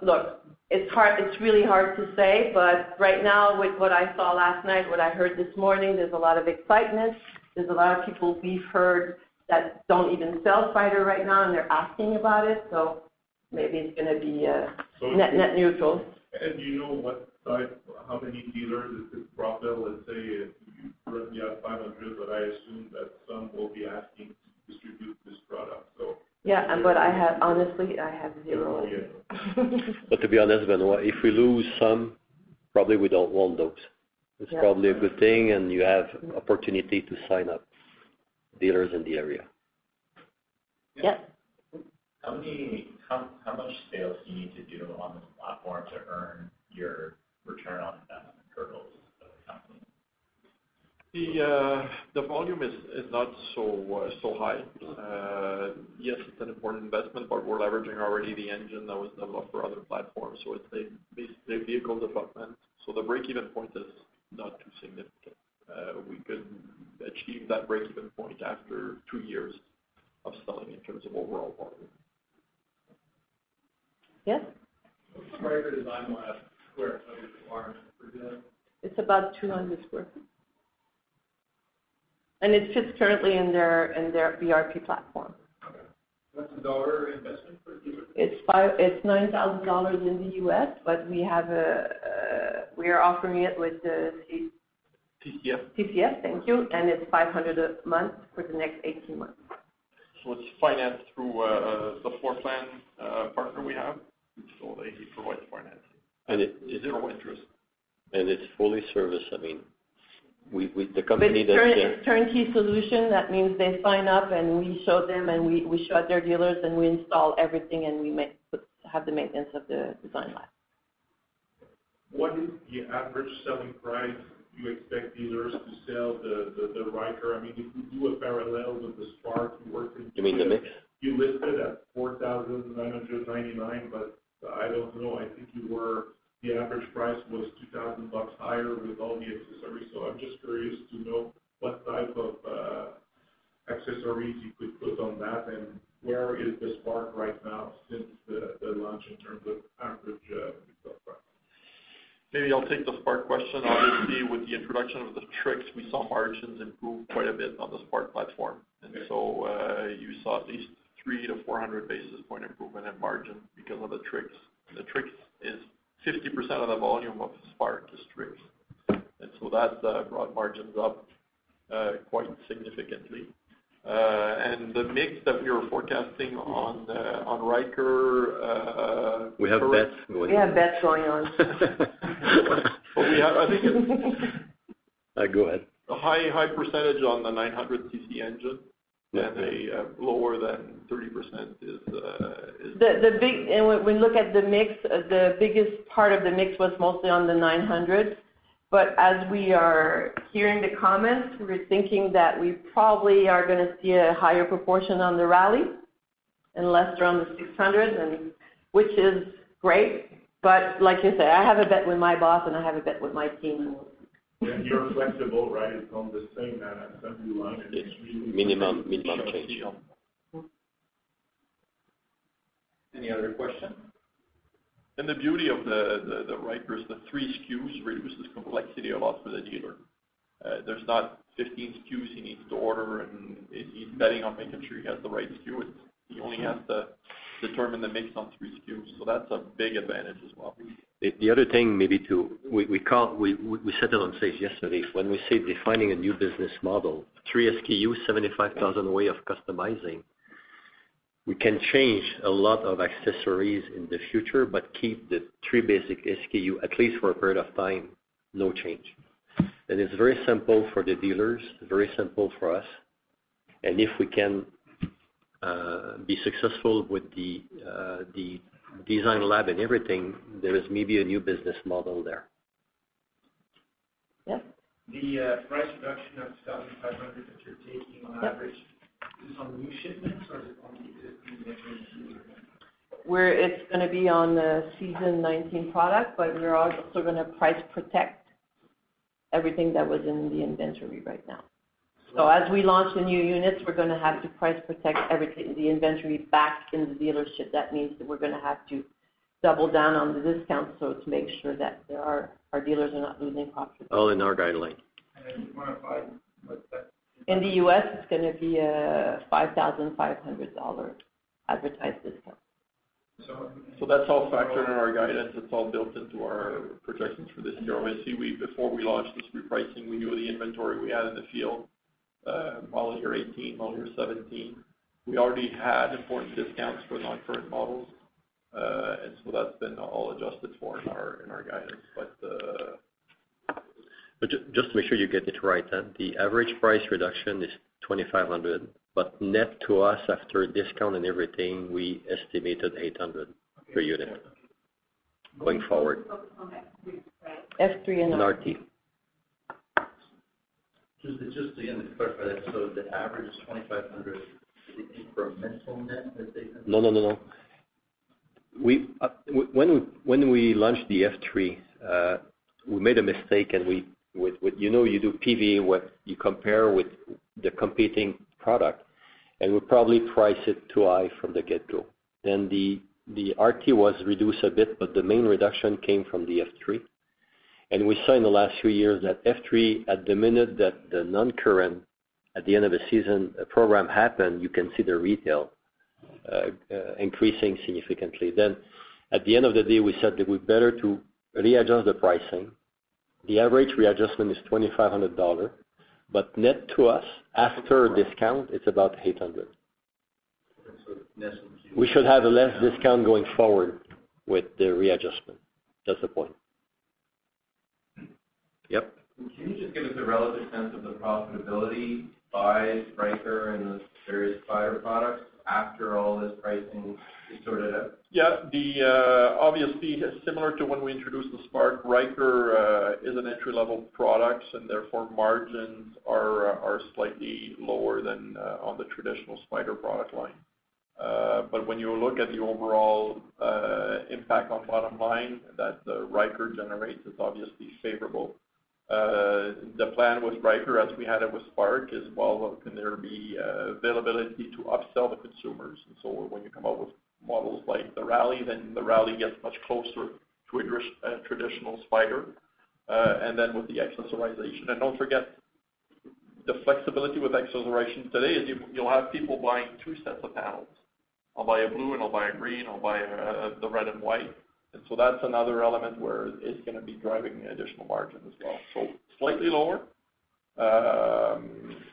Look, it's really hard to say, but right now, with what I saw last night, what I heard this morning, there's a lot of excitement. There's a lot of people we've heard that don't even sell Spyder right now, they're asking about it, maybe it's going to be net neutral. Do you know how many dealers is this profit? Let's say you currently have 500, I assume that some will be asking to distribute this product. Yeah, honestly, I have zero idea. To be honest, Benoit, if we lose some, probably we don't want those. Yeah. It's probably a good thing, you have opportunity to sign up dealers in the area. Yeah. How much sales do you need to do on this platform to earn your return on investment hurdles of the company? The volume is not so high. Yes, it's an important investment, but we're leveraging already the engine that was developed for other platforms, so it's a vehicle development. The break-even point is not too significant. We could achieve that break-even point after two years of selling in terms of overall volume. Yes. What's the Ryker Design Lab square footage requirement per dealer? It's about 200 sq ft. It's just currently in their BRP platform. Okay. What's the dollar investment per dealer? It's $9,000 in the U.S., we are offering it with the C- TCF. TCF, thank you. It's 500 a month for the next 18 months. It's financed through the floor plan partner we have, which is all they provide, the financing. Zero interest. It's fully serviced. I mean, with the company that- It's turnkey solution. That means they sign up, we show them, we show at their dealers, we install everything, we have the maintenance of the Design Lab. What is the average selling price you expect dealers to sell the Ryker? If you do a parallel with the Spark you work in- You mean the mix? You listed at 4,999. I don't know. I think the average price was 2,000 bucks higher with all the accessories. I'm just curious to know what type of accessories you could put on that, and where is the Spark right now since the launch in terms of average sell price? Maybe I'll take the Spark question. Obviously, with the introduction of the Trixx, we saw margins improve quite a bit on the Spark platform. You saw at least 300-400 basis point improvement in margin because of the Trixx. The Trixx is 50% of the volume of Spark is Trixx. That brought margins up quite significantly. The mix that we were forecasting on Ryker We have bets going. We have bets going on. We have, I think it's. Go ahead. A high percentage on the 900cc engine and a lower than 30% is. When we look at the mix, the biggest part of the mix was mostly on the 900. As we are hearing the comments, we're thinking that we probably are going to see a higher proportion on the Rally and less around the 600, which is great. Like you say, I have a bet with my boss, and I have a bet with my team. You're flexible, right? (inaudible) Minimum change. Any other question? The beauty of the Ryker is the three SKUs reduces complexity a lot for the dealer. There's not 15 SKUs he needs to order, and he's betting on making sure he has the right SKU. He only has to determine the mix on three SKUs. That's a big advantage as well. The other thing maybe, too, we said it on stage yesterday, when we say defining a new business model, three SKU, 75,000 way of customizing. We can change a lot of accessories in the future, but keep the three basic SKU, at least for a period of time, no change. It's very simple for the dealers, very simple for us. If we can be successful with the design lab and everything, there is maybe a new business model there. Yeah. The price reduction of 1,500 that you're taking on average, is this on the new shipments or is it on the existing inventory? It's gonna be on the season 19 product, we are also gonna price protect everything that was in the inventory right now. As we launch the new units, we're gonna have to price protect the inventory back in the dealership. That means that we're gonna have to double down on the discounts so to make sure that our dealers are not losing profit. All in our guideline. I just want to find what that In the U.S., it's going to be a $5,500 advertised discount. That's all factored in our guidance. It's all built into our projections for this year. Obviously, before we launched this repricing, we knew the inventory we had in the field, model year 2018, model year 2017. We already had important discounts for non-current models. That's been all adjusted for in our guidance. Just to make sure you get it right then, the average price reduction is 2,500, but net to us after discount and everything, we estimated 800 per unit going forward. F3. RT. Just again, to clarify that, the average is 2,500 incremental net. No. When we launched the F3, we made a mistake and you know you do PV, what you compare with the competing product, and we probably priced it too high from the get-go. The RT was reduced a bit, but the main reduction came from the F3. We saw in the last few years that F3, at the minute that the non-current, at the end of a season, a program happened, you can see the retail increasing significantly. At the end of the day, we said that we better to readjust the pricing. The average readjustment is 2,500 dollars, but net to us after discount, it's about 800. So less than- We should have a less discount going forward with the readjustment. That's the point. Yep. Can you just give us a relative sense of the profitability by Ryker and the various Spyder products after all this pricing is sorted out? Yeah. Obviously, similar to when we introduced the Spark, Ryker is an entry-level product, and therefore margins are slightly lower than on the traditional Spyder product line. When you look at the overall impact on bottom line that Ryker generates, it's obviously favorable. The plan with Ryker, as we had it with Spark, is while can there be availability to upsell the consumers. When you come out with models like the Rally, then the Rally gets much closer to a traditional Spyder, and then with the accessorization. Don't forget, the flexibility with accessorization today is you'll have people buying two sets of panels. I'll buy a blue, and I'll buy a green. I'll buy the red and white. That's another element where it's going to be driving additional margin as well. Slightly lower,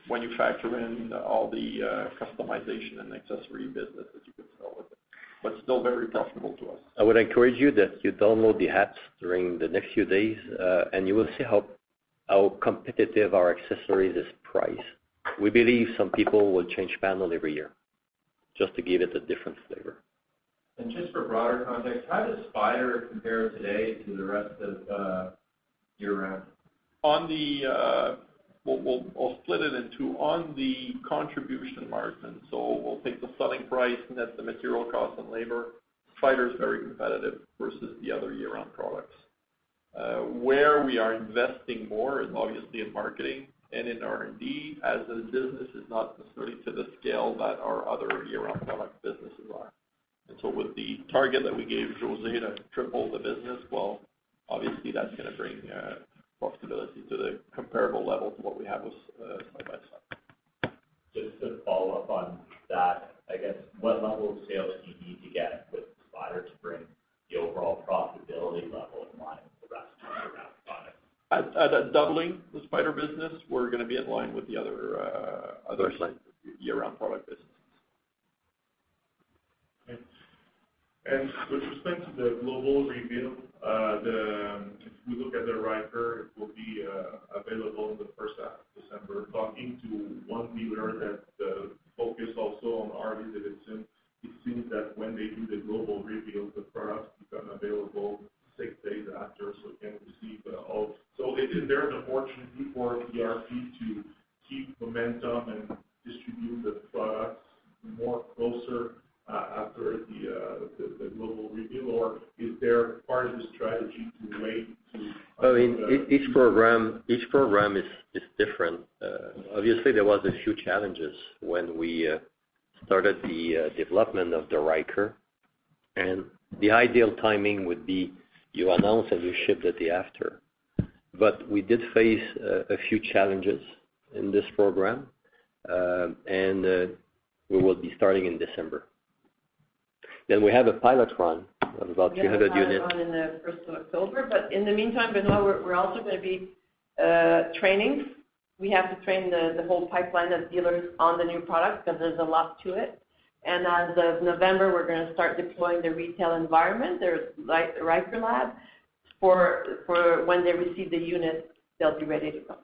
when you factor in all the customization and accessory business that you could sell with it, but still very profitable to us. I would encourage you that you download the apps during the next few days, and you will see how competitive our accessories is priced. We believe some people will change panel every year, just to give it a different flavor. Just for broader context, how does Spyder compare today to the rest of year-round? I'll split it in two. On the contribution margin, so we'll take the selling price, net the material cost and labor, Spyder is very competitive versus the other year-round products. Where we are investing more is obviously in marketing and in R&D, as the business is not necessarily to the scale that our other year-round product businesses are. With the target that we gave José to triple the business, well, obviously, that's going to bring profitability to the comparable level to what we have with Side-by-Side. Just to follow up on that, I guess, what level of sales do you need to get with Spyder to bring the overall profitability level in line with the rest of your year-round products? At doubling the Spyder business, we're going to be in line with the other. Other segments. year-round product businesses. With respect to the global reveal, if we look at the Ryker, it will be available in the first half December. Talking to one dealer that focus also on RV, that it seems that when they do the global reveal, the products become available six days after, so they can receive all. Is there an opportunity for BRP to keep momentum and distribute the products more closer after the global reveal, or is there part of the strategy? Each program is different. Obviously, there was a few challenges when we started the development of the Ryker, and the ideal timing would be you announce and you ship the day after. We did face a few challenges in this program, and we will be starting in December. We have a pilot run of about 300 units. We have a pilot run in the first of October. In the meantime, Benoit, we're also going to be training. We have to train the whole pipeline of dealers on the new product because there's a lot to it. As of November, we're going to start deploying the retail environment, there's Ryker lab for when they receive the unit, they'll be ready to go.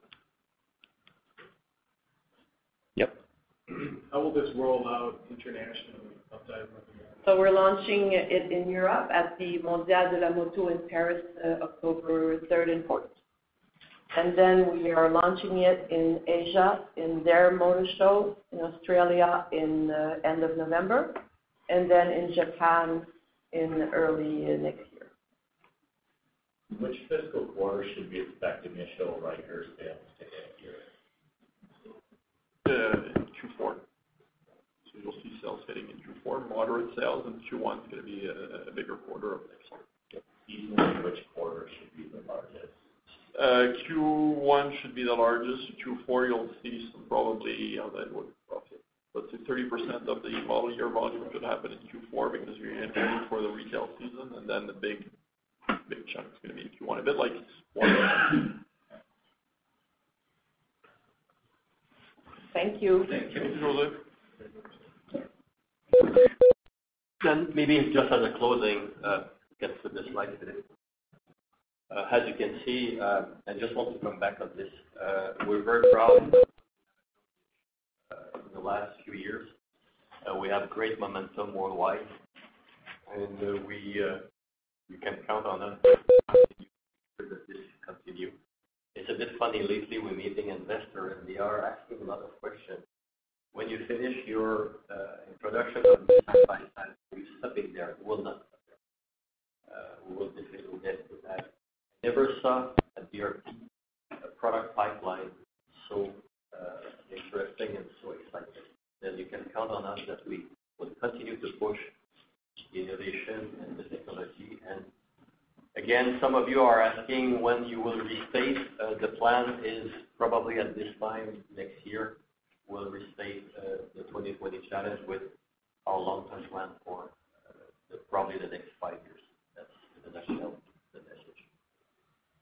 Yep. How will this roll out internationally outside of North America? We're launching it in Europe at the Mondial de la Moto in Paris, October third and fourth. We are launching it in Asia, in their motor show in Australia in end of November, then in Japan in early next year. Which fiscal quarter should we expect initial Ryker sales to hit here? Q4. You'll see sales hitting in Q4, moderate sales, and Q1 is going to be a bigger quarter of next year. Evenly, which quarter should be the largest? Q1 should be the largest. Q4, you'll see some probably upward profit, let's say 30% of the model year volume could happen in Q4 because you're entering for the retail season, and then the big chunk is going to be in Q1, a bit like Spyder. Thank you. Thank you. Thank you, José. Maybe just as a closing, get to this slide today. As you can see, I just want to come back on this. We're very proud in the last few years. We have great momentum worldwide, and you can count on us to continue. It's a bit funny lately, we're meeting investors, and they are asking a lot of questions. When you finish your introduction of side-by-side, are you stopping there? We'll not. We will get to that. Never saw a BRP product pipeline so interesting and so exciting. You can count on us that we will continue to push the innovation and the technology. Again, some of you are asking when you will restate. The plan is probably at this time next year, we'll restate the 2020 Challenge with our long-term plan for probably the next five years. That's in a nutshell the message.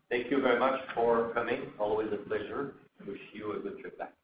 Thank you very much for coming. Always a pleasure. Wish you a good trip back home.